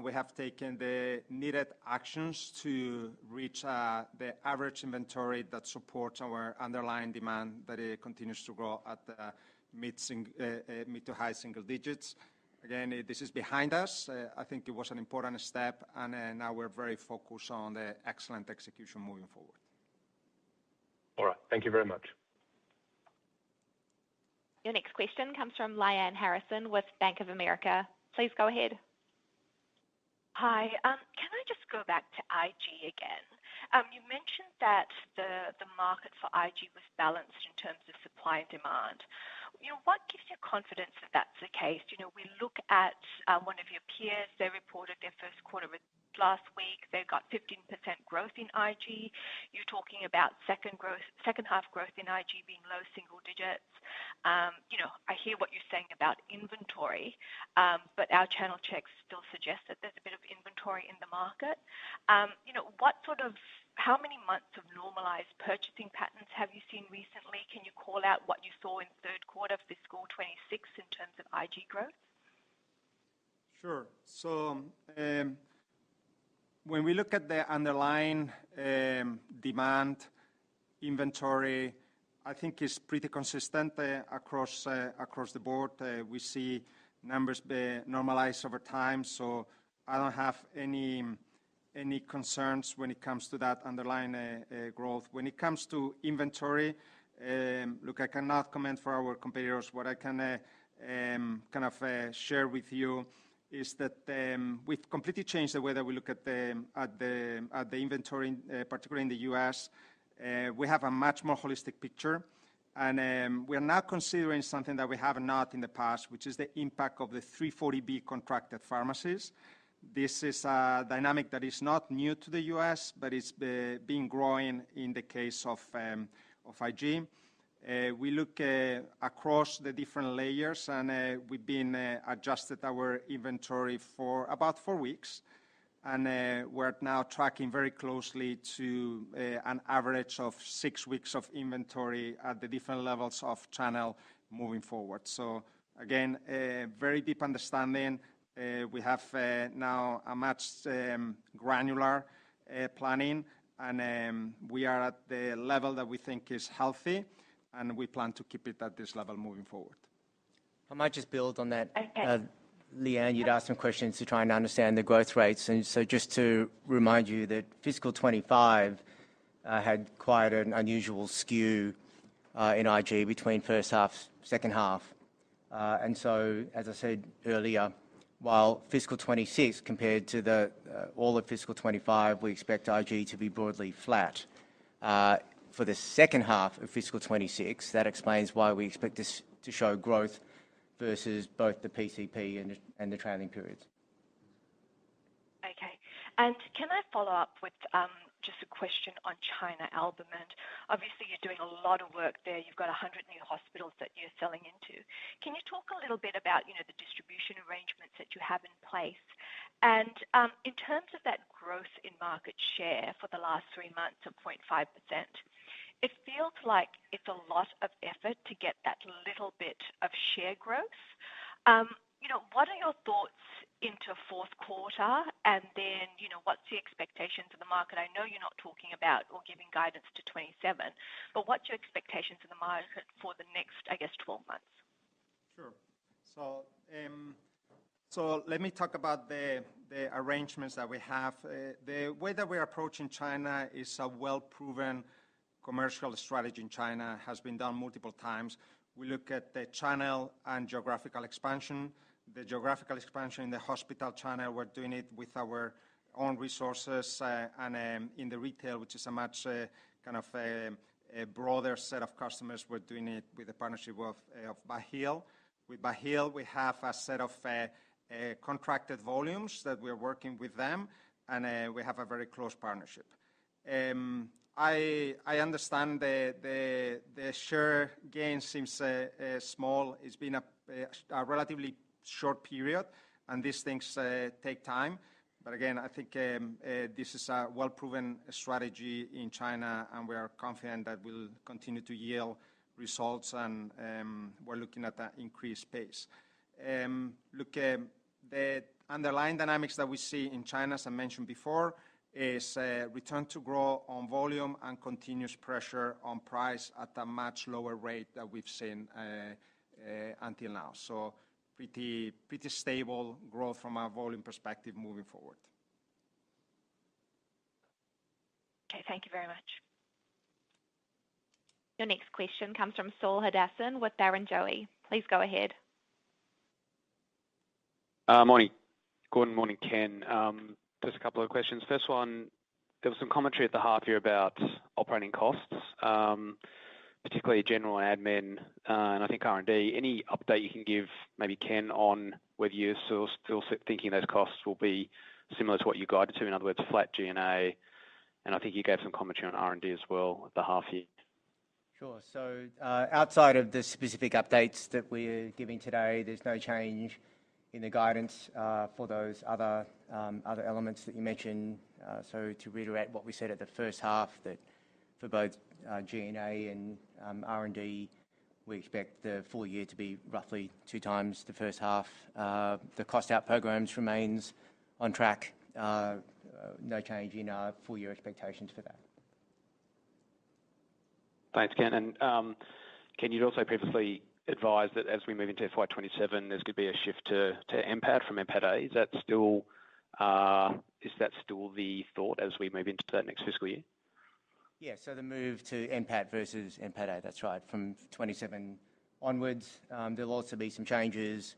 we have taken the needed actions to reach the average inventory that supports our underlying demand that continues to grow at mid to high single digits. Again, this is behind us. I think it was an important step, and now we're very focused on the excellent execution moving forward. All right. Thank you very much. Your next question comes from Lyanne Harrison with Bank of America. Please go ahead. Hi. Can I just go back to IG again? You mentioned that the market for IG was balanced in terms of supply and demand. You know, what gives you confidence that that's the case? You know, we look at, one of your peers, they reported their first quarter results last week. They've got 15% growth in IG. You're talking about second half growth in IG being low single digits. You know, I hear what you're saying about inventory, but our channel checks still suggest that there's a bit of inventory in the market. You know, what sort of how many months of normalized purchasing patterns have you seen recently? Can you call out what you saw in third quarter of FY 2026 in terms of IG growth? Sure. When we look at the underlying demand inventory, I think it's pretty consistent across the board. We see numbers normalize over time, so I don't have any concerns when it comes to that underlying growth. When it comes to inventory, look, I cannot comment for our competitors. What I can share with you is that we've completely changed the way that we look at the inventory, particularly in the U.S. We have a much more holistic picture, and we are now considering something that we have not in the past, which is the impact of the 340B contracted pharmacies. This is a dynamic that is not new to the U.S., but it's been growing in the case of IG. We look across the different layers, and we've been adjusted our inventory for about four weeks. We're now tracking very closely to an average of six weeks of inventory at the different levels of channel moving forward. Again, a very deep understanding. We have now a much granular planning, and we are at the level that we think is healthy, and we plan to keep it at this level moving forward. I might just build on that. Okay. Lyanne, you'd asked some questions to try and understand the growth rates. Just to remind you that FY 2025 had quite an unusual skew in IG between first half, second half. As I said earlier, while FY 2026 compared to the all of FY 2025, we expect IG to be broadly flat. For the second half of FY 2026, that explains why we expect this to show growth versus both the PCP and the trailing periods. Okay. Can I follow up with just a question on China, albumin? Obviously you're doing a lot of work there. You've got 100 new hospitals that you're selling into. Can you talk a little bit about, you know, the distribution arrangements that you have in place? In terms of that growth in market share for the last three months of 0.5%, it feels like it's a lot of effort to get that little bit of share growth. You know, what are your thoughts into fourth quarter? Then, you know, what's the expectation for the market? I know you're not talking about or giving guidance to 2027, but what's your expectation for the market for the next, I guess, 12 months? Sure. Let me talk about the arrangements that we have. The way that we're approaching China is a well-proven commercial strategy in China, has been done multiple times. We look at the channel and geographical expansion. The geographical expansion in the hospital, China, we're doing it with our own resources. In the retail, which is a much kind of a broader set of customers, we're doing it with a partnership of Baheal. With Baheal, we have a set of contracted volumes that we're working with them, and we have a very close partnership. I understand the share gain seems small. It's been a relatively short period, and these things take time. Again, I think this is a well-proven strategy in China, and we are confident that will continue to yield results and we're looking at that increased pace. Look, the underlying dynamics that we see in China, as I mentioned before, is a return to grow on volume and continuous pressure on price at a much lower rate than we've seen until now. Pretty stable growth from a volume perspective moving forward. Okay. Thank you very much. Your next question comes from Saul Hadassin with Barrenjoey. Please go ahead. Morning, Gordon. Morning, Ken. Just a couple of questions. First one, there was some commentary at the half year about operating costs, particularly General and Admin, and I think R&D. Any update you can give, maybe Ken, on whether you're still thinking those costs will be similar to what you guided to, in other words, flat G&A? I think you gave some commentary on R&D as well at the half year. Sure. Outside of the specific updates that we're giving today, there's no change in the guidance for those other elements that you mentioned. To reiterate what we said at the first half, that for both G&A and R&D, we expect the full year to be roughly two times the first half. The cost out programs remains on track. No change in our full year expectations for that. Thanks, Ken. Ken, you'd also previously advised that as we move into FY 2027, there's going to be a shift to NPAT from NPATA. Is that still the thought as we move into that next FY? The move to NPAT versus NPATA, that's right. From 2027 onwards, there'll also be some changes.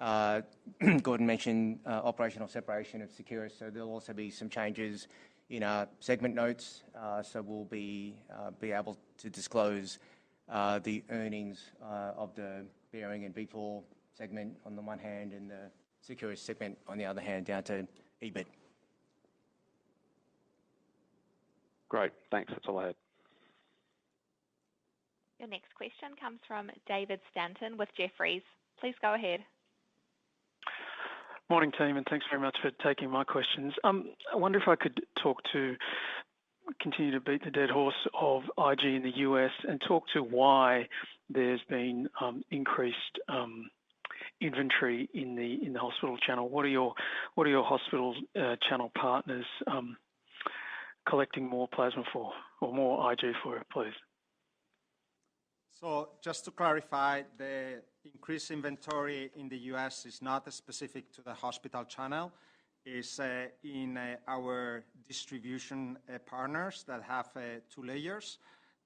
Gordon mentioned operational separation of Seqirus, so there'll also be some changes in our segment notes. We'll be able to disclose the earnings of the Behring and Vifor segment on the one hand and the Seqirus segment on the other hand down to EBIT. Great. Thanks. That's all I had. Your next question comes from David Stanton with Jefferies. Please go ahead. Morning, team, thanks very much for taking my questions. I wonder if I could continue to beat the dead horse of IG in the U.S. and talk to why there's been increased inventory in the hospital channel. What are your hospital's channel partners collecting more plasma for or more IG for, please? Just to clarify, the increased inventory in the U.S. is not specific to the hospital channel. It's in our distribution partners that have two layers.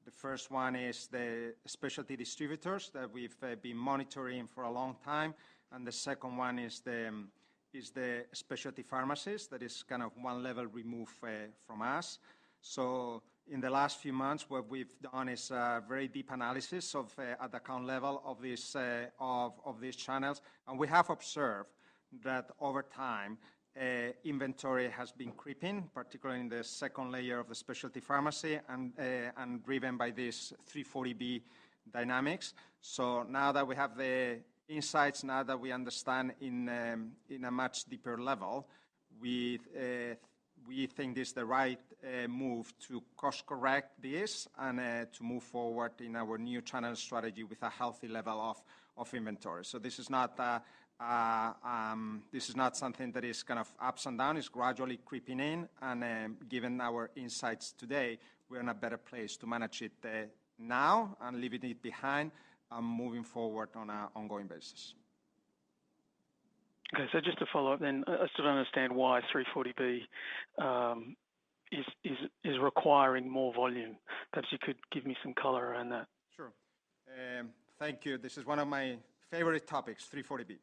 The first one is the specialty distributors that we've been monitoring for a long time, and the second one is the specialty pharmacies that is kind of one level removed from us. In the last few months, what we've done is a very deep analysis of at account level of this of these channels. We have observed that over time, inventory has been creeping, particularly in the second layer of the specialty pharmacy and driven by this 340B dynamics. Now that we have the insights, now that we understand in a much deeper level, we think it's the right move to course-correct this and to move forward in our new channel strategy with a healthy level of inventory. This is not something that is kind of ups and downs. It's gradually creeping in, and given our insights today, we're in a better place to manage it now and leaving it behind and moving forward on an ongoing basis. Just to follow up, I still don't understand why 340B is requiring more volume. Perhaps you could give me some color around that. Sure. Thank you. This is one of my favorite topics, 340B.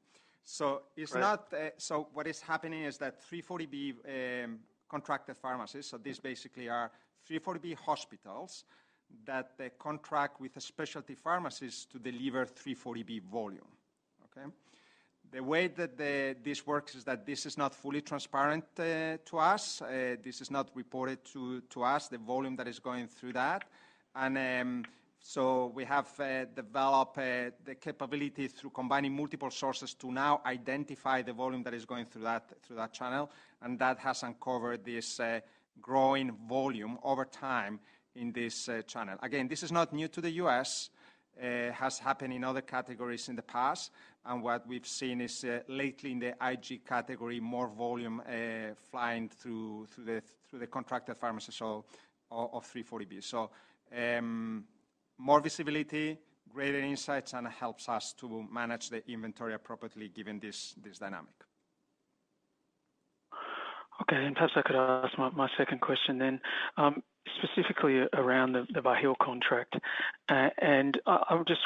Great. It's not so what is happening is that 340B contracted pharmacies, so these basically are 340B hospitals that they contract with a specialty pharmacies to deliver 340B volume. Okay. The way that this works is that this is not fully transparent to us. This is not reported to us, the volume that is going through that. We have developed the capability through combining multiple sources to now identify the volume that is going through that, through that channel, and that has uncovered this growing volume over time in this channel. Again, this is not new to the U.S. It has happened in other categories in the past, and what we've seen is, lately in the IG category, more volume, flying through the contracted pharmacist so of 340B. More visibility, greater insights, and it helps us to manage the inventory appropriately given this dynamic. Okay. Perhaps I could ask my second question then. Specifically around the Baheal contract, and I was just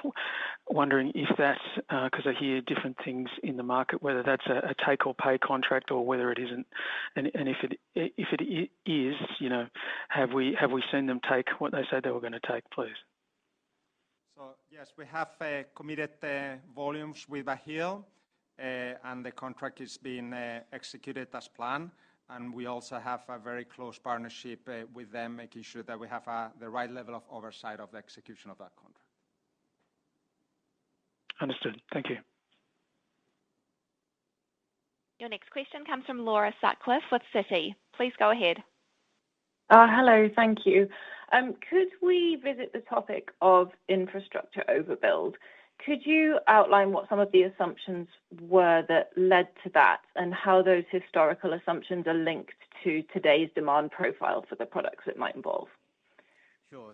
wondering if that's 'cause I hear different things in the market, whether that's a take or pay contract or whether it isn't. If it is, you know, have we seen them take what they said they were gonna take, please? Yes, we have committed volumes with Baheal, and the contract is being executed as planned. We also have a very close partnership with them, making sure that we have the right level of oversight of the execution of that contract. Understood. Thank you. Your next question comes from Laura Sutcliffe with Citi. Please go ahead. Hello. Thank you. Could we visit the topic of infrastructure overbuild? Could you outline what some of the assumptions were that led to that and how those historical assumptions are linked to today's demand profile for the products it might involve? Sure.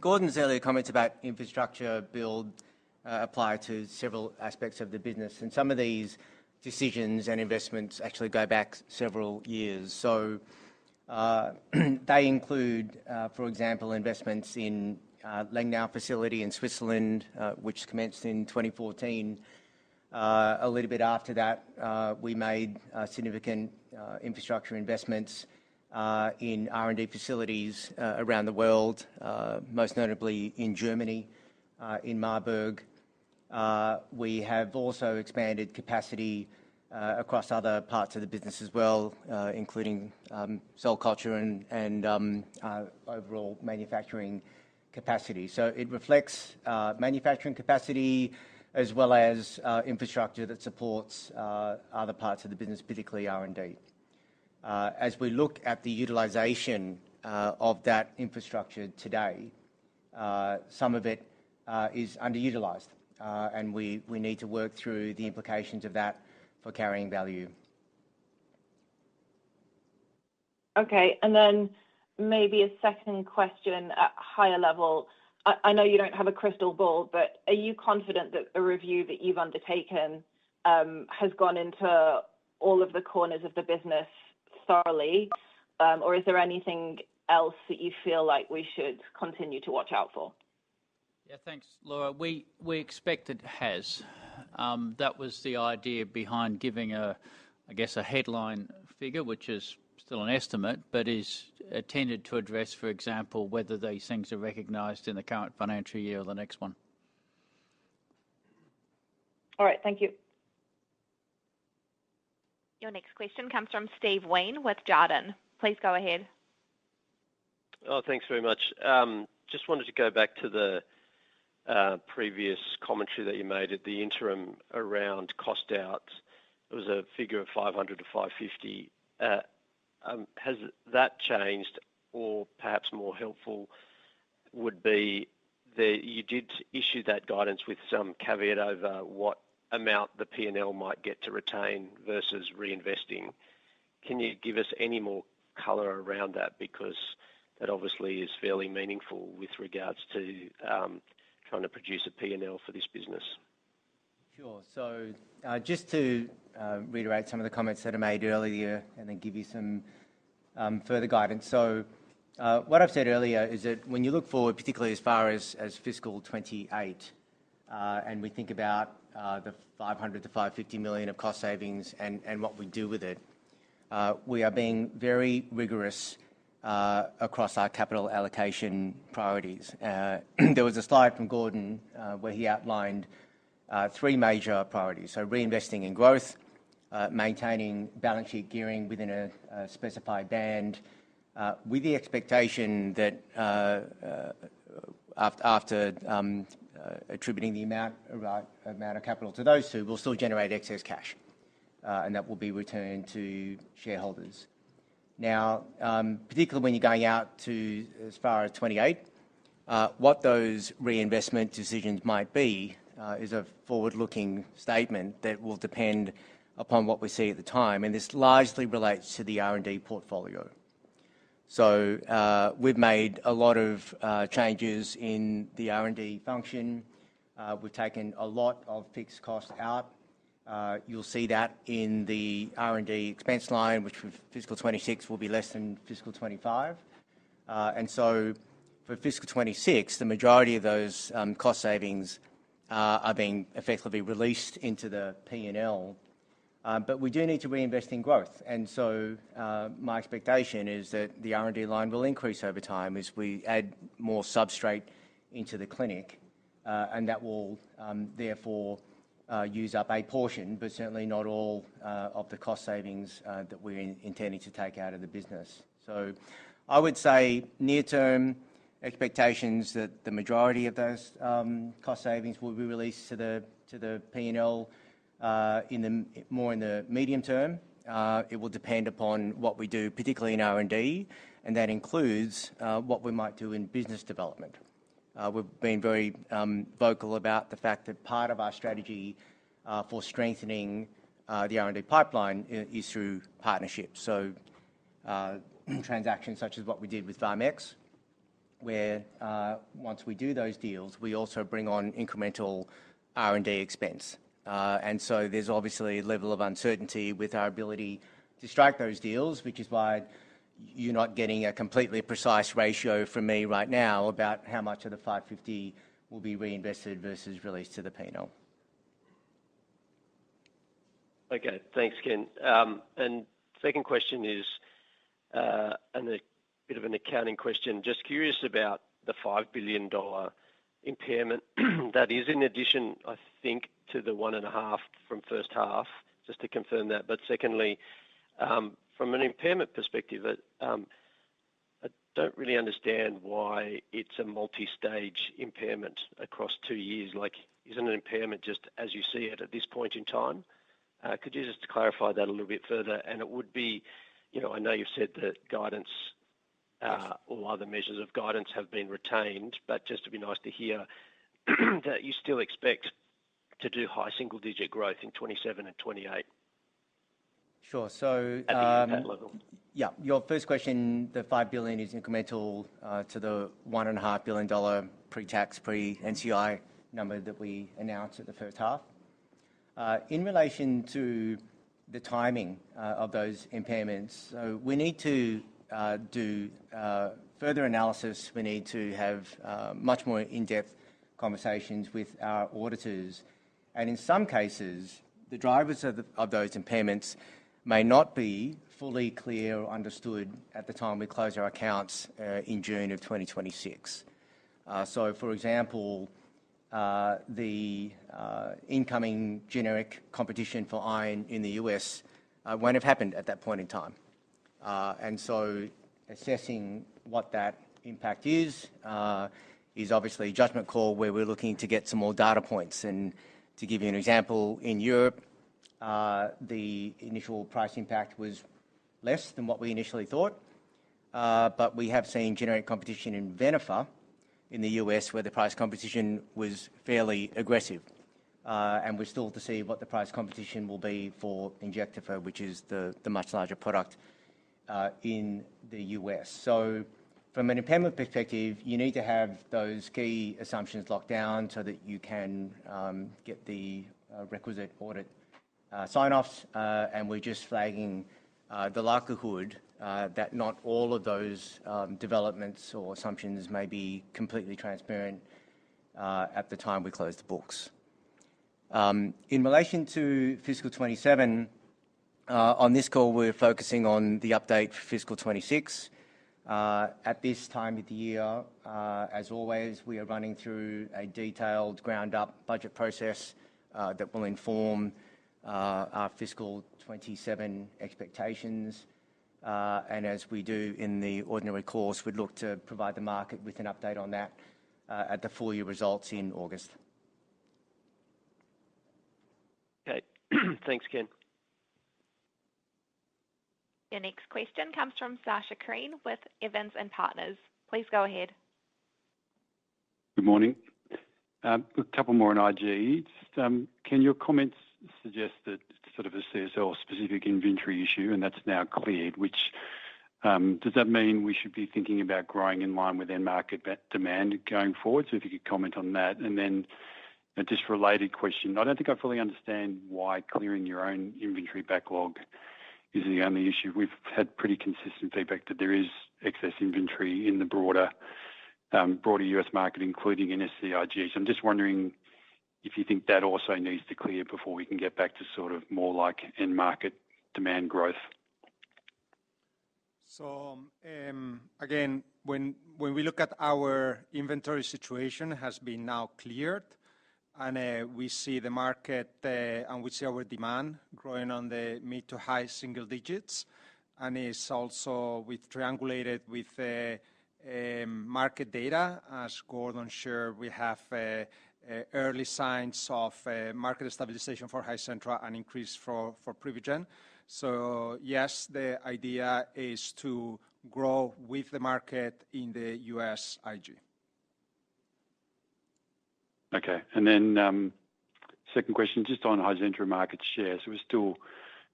Gordon's earlier comments about infrastructure build apply to several aspects of the business, and some of these decisions and investments actually go back several years. They include, for example, investments in Lengnau facility in Switzerland, which commenced in 2014. A little bit after that, we made significant infrastructure investments in R&D facilities around the world, most notably in Germany, in Marburg. We have also expanded capacity across other parts of the business as well, including cell culture and overall manufacturing capacity. It reflects manufacturing capacity as well as infrastructure that supports other parts of the business, particularly R&D. As we look at the utilization of that infrastructure today, some of it is underutilized, and we need to work through the implications of that for carrying value. Okay. Then maybe a second question at higher level. I know you don't have a crystal ball, but are you confident that the review that you've undertaken has gone into all of the corners of the business thoroughly? Is there anything else that you feel like we should continue to watch out for? Yeah. Thanks, Laura. We expect it has. That was the idea behind giving a, I guess a headline figure, which is still an estimate, but is intended to address, for example, whether these things are recognized in the current financial year or the next one. All right. Thank you. Your next question comes from Steve Wheen with Jarden. Please go ahead. Thanks very much. Just wanted to go back to the previous commentary that you made at the interim around cost outs. There was a figure of 500 to 550. Has that changed? Perhaps more helpful would be that you did issue that guidance with some caveat over what amount the P&L might get to retain versus reinvesting. Can you give us any more color around that? That obviously is fairly meaningful with regards to trying to produce a P&L for this business. Sure. Just to reiterate some of the comments that I made earlier and then give you some further guidance. What I've said earlier is that when you look forward, particularly as far as FY 2028, and we think about the 500 million-550 million of cost savings and what we do with it, we are being very rigorous across our capital allocation priorities. There was a slide from Gordon where he outlined three major priorities. Reinvesting in growth, maintaining balance sheet gearing within a specified band, with the expectation that after attributing the amount of capital to those two, we'll still generate excess cash, and that will be returned to shareholders. Particularly when you're going out to as far as 2028, what those reinvestment decisions might be, is a forward-looking statement that will depend upon what we see at the time, and this largely relates to the R&D portfolio. We've made a lot of changes in the R&D function. We've taken a lot of fixed costs out. You'll see that in the R&D expense line, which for FY 2026 will be less than FY 2025. For FY 2026, the majority of those cost savings are being effectively released into the P&L. We do need to reinvest in growth. My expectation is that the R&D line will increase over time as we add more substrate into the clinic, and that will, therefore, use up a portion, but certainly not all, of the cost savings that we're intending to take out of the business. I would say near-term expectations that the majority of those cost savings will be released to the P&L. In the more medium term, it will depend upon what we do, particularly in R&D, and that includes what we might do in business development. We've been very vocal about the fact that part of our strategy for strengthening the R&D pipeline is through partnerships. Transactions such as what we did with VarmX, where, once we do those deals, we also bring on incremental R&D expense. There's obviously a level of uncertainty with our ability to strike those deals, which is why you're not getting a completely precise ratio from me right now about how much of the 550 will be reinvested versus released to the P&L. Thanks, Ken. Second question is a bit of an accounting question. Just curious about the 5 billion dollar impairment that is in addition, I think, to the 1.5 billion from first half, just to confirm that. Secondly, from an impairment perspective, I don't really understand why it's a multi-stage impairment across two years. Isn't an impairment just as you see it at this point in time? Could you just clarify that a little bit further? It would be, you know, I know you've said that guidance, or other measures of guidance have been retained, but it'd be nice to hear that you still expect to do high single-digit growth in 2027 and 2028. Sure. At the impairment level. Your first question, the 5 billion is incremental to the 1.5 billion dollar pre-tax, pre-NCI number that we announced at the first half. In relation to the timing of those impairments, we need to do further analysis. We need to have much more in-depth conversations with our auditors. In some cases, the drivers of those impairments may not be fully clear or understood at the time we close our accounts in June of 2026. For example, the incoming generic competition for iron in the U.S. won't have happened at that point in time. Assessing what that impact is obviously a judgment call where we're looking to get some more data points. To give you an example, in Europe, the initial price impact was less than what we initially thought. We have seen generic competition in Venofer in the U.S., where the price competition was fairly aggressive. We're still to see what the price competition will be for Injectafer, which is the much larger product in the U.S. From an impairment perspective, you need to have those key assumptions locked down so that you can get the requisite audit sign-offs. We're just flagging the likelihood that not all of those developments or assumptions may be completely transparent at the time we close the books. In relation to FY 2027, on this call, we're focusing on the update for FY 2026. At this time of the year, as always, we are running through a detailed ground-up budget process that will inform our FY 2027 expectations. As we do in the ordinary course, we'd look to provide the market with an update on that at the full-year results in August. Okay. Thanks, Ken. Your next question comes from Sacha Krien with Evans & Partners. Please go ahead. Good morning. A couple more on Ig. Can your comments suggest that sort of a CSL specific inventory issue and that's now cleared, which, does that mean we should be thinking about growing in line with end market de-demand going forward? If you could comment on that. And then a just related question. I don't think I fully understand why clearing your own inventory backlog is the only issue. We've had pretty consistent feedback that there is excess inventory in the broader U.S. market, including in SCIg. I'm just wondering if you think that also needs to clear before we can get back to sort of more like end market demand growth. Again, when we look at our inventory situation has been now cleared, and we see the market, and we see our demand growing on the mid to high single digits. It's also we've triangulated with market data, as Gordon shared, we have early signs of market stabilization for Hizentra and increase for Privigen. Yes, the idea is to grow with the market in the U.S. Ig. Okay. Second question just on Hizentra market share. We're still,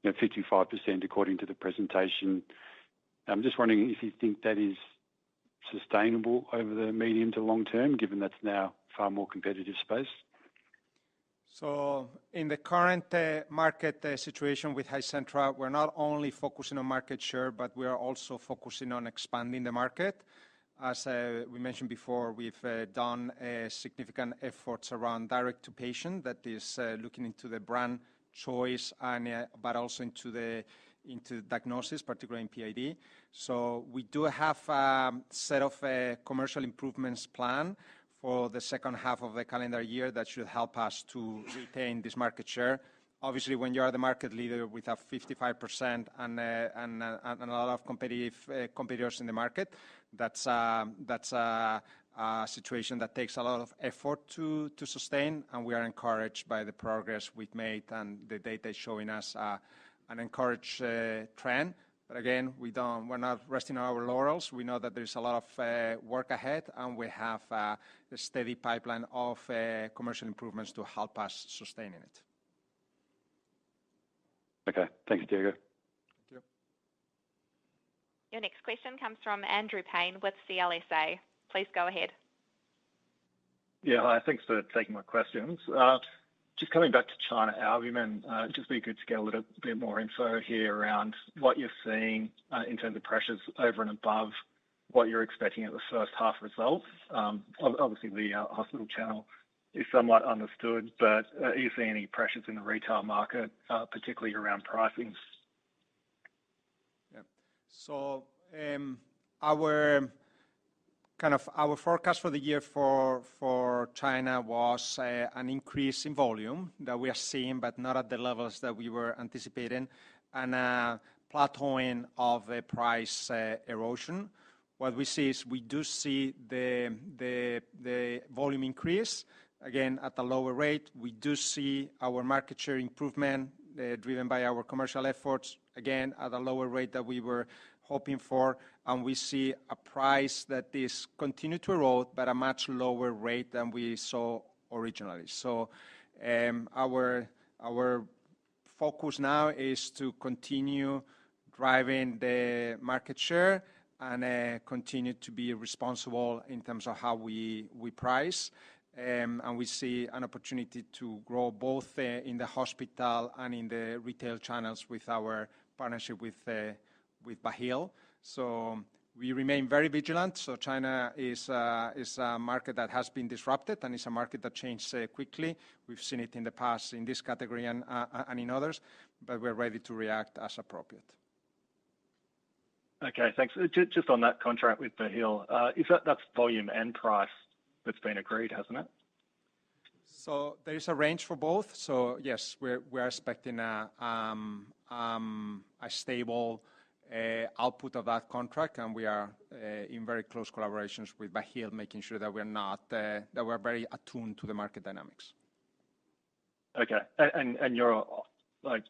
you know, 55% according to the presentation. I'm just wondering if you think that is sustainable over the medium to long term, given that's now far more competitive space. In the current market situation with Hizentra, we're not only focusing on market share, but we are also focusing on expanding the market. We mentioned before, we've done significant efforts around direct to patient that is looking into the brand choice and but also into diagnosis, particularly in PID. We do have a set of commercial improvements plan for the second half of the calendar year that should help us to retain this market share. Obviously, when you are the market leader with a 55% and a lot of competitive competitors in the market, that's a situation that takes a lot of effort to sustain, and we are encouraged by the progress we've made and the data showing us an encouraged trend. Again, we're not resting on our laurels. We know that there's a lot of work ahead, and we have a steady pipeline of commercial improvements to help us sustaining it. Okay. Thank you, Diego. Thank you. Your next question comes from Andrew Paine with CLSA. Please go ahead. Yeah. Hi, thanks for taking my questions. Just coming back to China, albumin, it'd just be good to get a little bit more info here around what you're seeing in terms of pressures over and above what you're expecting at the first half results. Obviously, the hospital channel is somewhat understood, but are you seeing any pressures in the retail market, particularly around pricing? Our kind of our forecast for the year for China was an increase in volume that we are seeing, but not at the levels that we were anticipating, and a plateauing of a price erosion. What we see is we do see the volume increase, again, at a lower rate. We do see our market share improvement, driven by our commercial efforts, again, at a lower rate that we were hoping for. We see a price that is continued to erode, but a much lower rate than we saw originally. Our focus now is to continue driving the market share and continue to be responsible in terms of how we price. And we see an opportunity to grow both in the hospital and in the retail channels with our partnership with Baheal. We remain very vigilant. China is a market that has been disrupted, and it's a market that changes quickly. We've seen it in the past in this category and in others, but we're ready to react as appropriate. Okay, thanks. Just on that contract with Baheal, is that that's volume and price that's been agreed, hasn't it? There is a range for both. Yes, we're expecting a stable output of that contract, and we are in very close collaborations with Baheal, making sure that we're not that we're very attuned to the market dynamics. Okay. You're, like,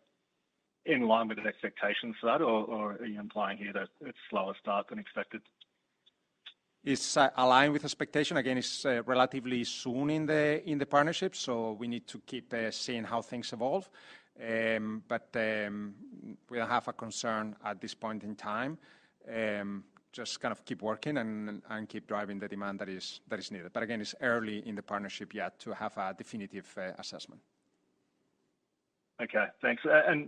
in line with the expectations for that or are you implying here that it's slower start than expected? It's aligned with expectation. Again, it's relatively soon in the partnership, we need to keep seeing how things evolve. We don't have a concern at this point in time. Just kind of keep working and keep driving the demand that is needed. Again, it's early in the partnership yet to have a definitive assessment. Okay, thanks.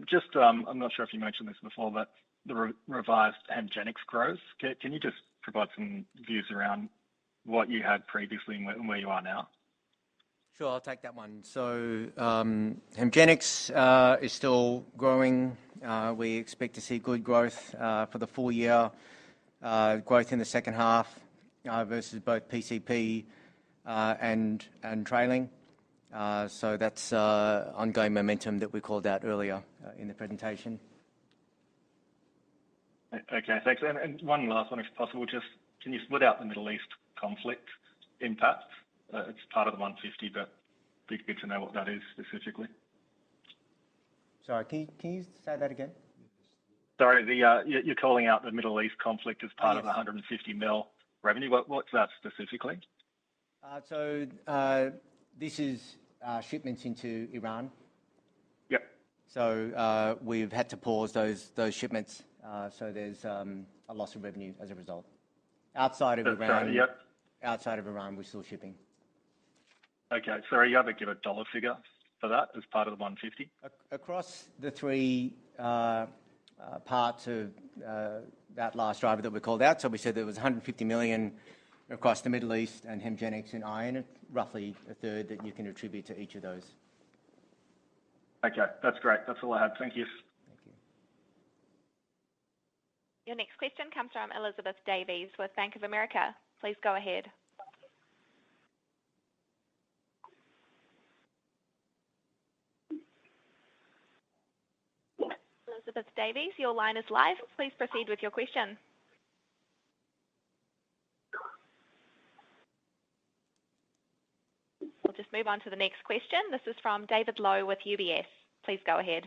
Just, I'm not sure if you mentioned this before, but the revised HEMGENIX growth, can you just provide some views around what you had previously and where you are now? Sure, I'll take that one. HEMGENIX is still growing. We expect to see good growth for the full year, growth in the second half versus both PCP and trailing. That's ongoing momentum that we called out earlier in the presentation. Okay, thanks. One last one, if possible. Just can you split out the Middle East conflict impact? It's part of the 150, but be good to know what that is specifically. Sorry, can you say that again? Sorry, the, you're calling out the Middle East conflict as? Oh, yes. of the 150 million revenue. What's that specifically? This is shipments into Iran. Yep. We've had to pause those shipments. There's a loss of revenue as a result. Outside of Iran. Outside, yep. outside of Iran, we're still shipping. Okay. Sorry, are you able to give a dollar figure for that as part of the 150 million? Across the three parts of that last driver that we called out, so we said there was 150 million across the Middle East and HEMGENIX and iron, roughly a third that you can attribute to each of those. Okay. That's great. That's all I had. Thank you. Your next question comes from Elizabeth Davis with Bank of America. Please go ahead. Elizabeth Davis, your line is live. Please proceed with your question. We'll just move on to the next question. This is from David Low with UBS. Please go ahead.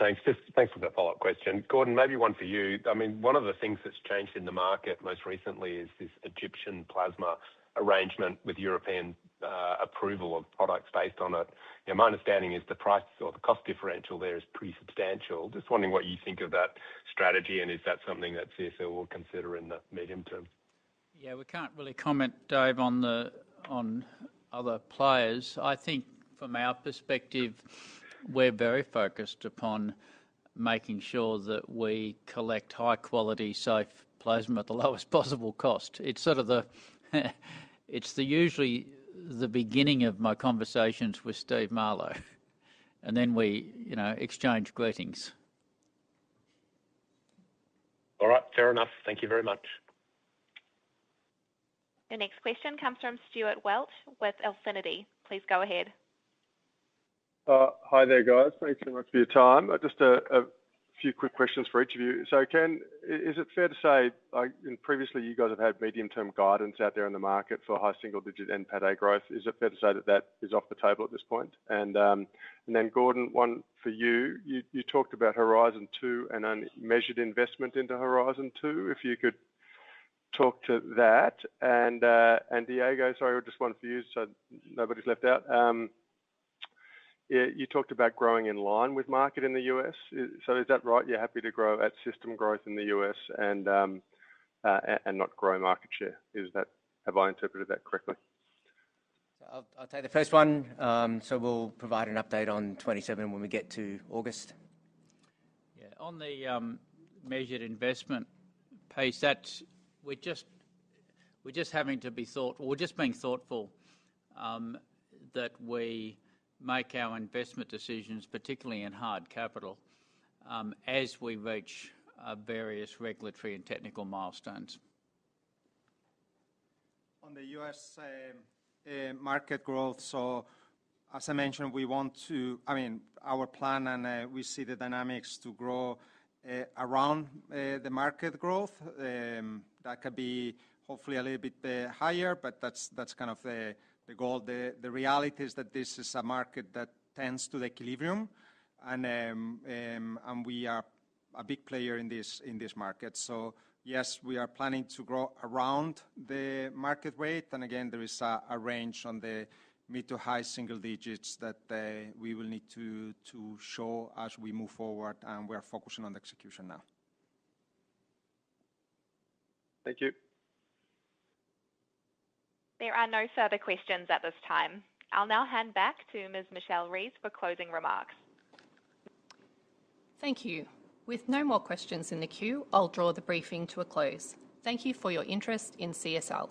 Thanks. Just thanks for the follow-up question. Gordon, maybe one for you. I mean, one of the things that's changed in the market most recently is this Egyptian plasma arrangement with European approval of products based on it. You know, my understanding is the price or the cost differential there is pretty substantial. Just wondering what you think of that strategy, and is that something that CSL will consider in the medium term? Yeah, we can't really comment, Dave, on the, on other players. I think from our perspective, we're very focused upon making sure that we collect high quality, safe plasma at the lowest possible cost. It's sort of the usually the beginning of my conversations with Steve Marlow, and then we, you know, exchange greetings. All right. Fair enough. Thank Thank you very much. The next question comes from Stuart Welch with Alphinity. Please go ahead. Hi there, guys. Thank you so much for your time. Just a few quick questions for each of you. Ken Lim, is it fair to say, and previously you guys have had medium term guidance out there in the market for high single-digit NPAT growth. Is it fair to say that that is off the table at this point? Gordon Naylor, one for you. You talked about Horizon 2 and an measured investment into Horizon 2, if you could talk to that. Diego Sacristan, sorry, just one for you so nobody's left out. You talked about growing in line with market in the U.S. Is that right? You're happy to grow at system growth in the U.S. and not grow market share. Is that Have I interpreted that correctly? I'll take the first one. We'll provide an update on 27 when we get to August. On the measured investment piece, that's We're just being thoughtful, that we make our investment decisions, particularly in hard capital, as we reach various regulatory and technical milestones. On the U.S. market growth, as I mentioned, we want to I mean, our plan and, we see the dynamics to grow, around, the market growth. That could be hopefully a little bit, higher, but that's kind of the goal. The reality is that this is a market that tends to the equilibrium and we are a big player in this market. Yes, we are planning to grow around the market rate. Again, there is a range on the mid to high single digits that, we will need to show as we move forward, and we are focusing on execution now. Thank you. There are no further questions at this time. I will now hand back to Ms. Michelle Rees for closing remarks. Thank you. With no more questions in the queue, I will draw the briefing to a close. Thank you for your interest in CSL.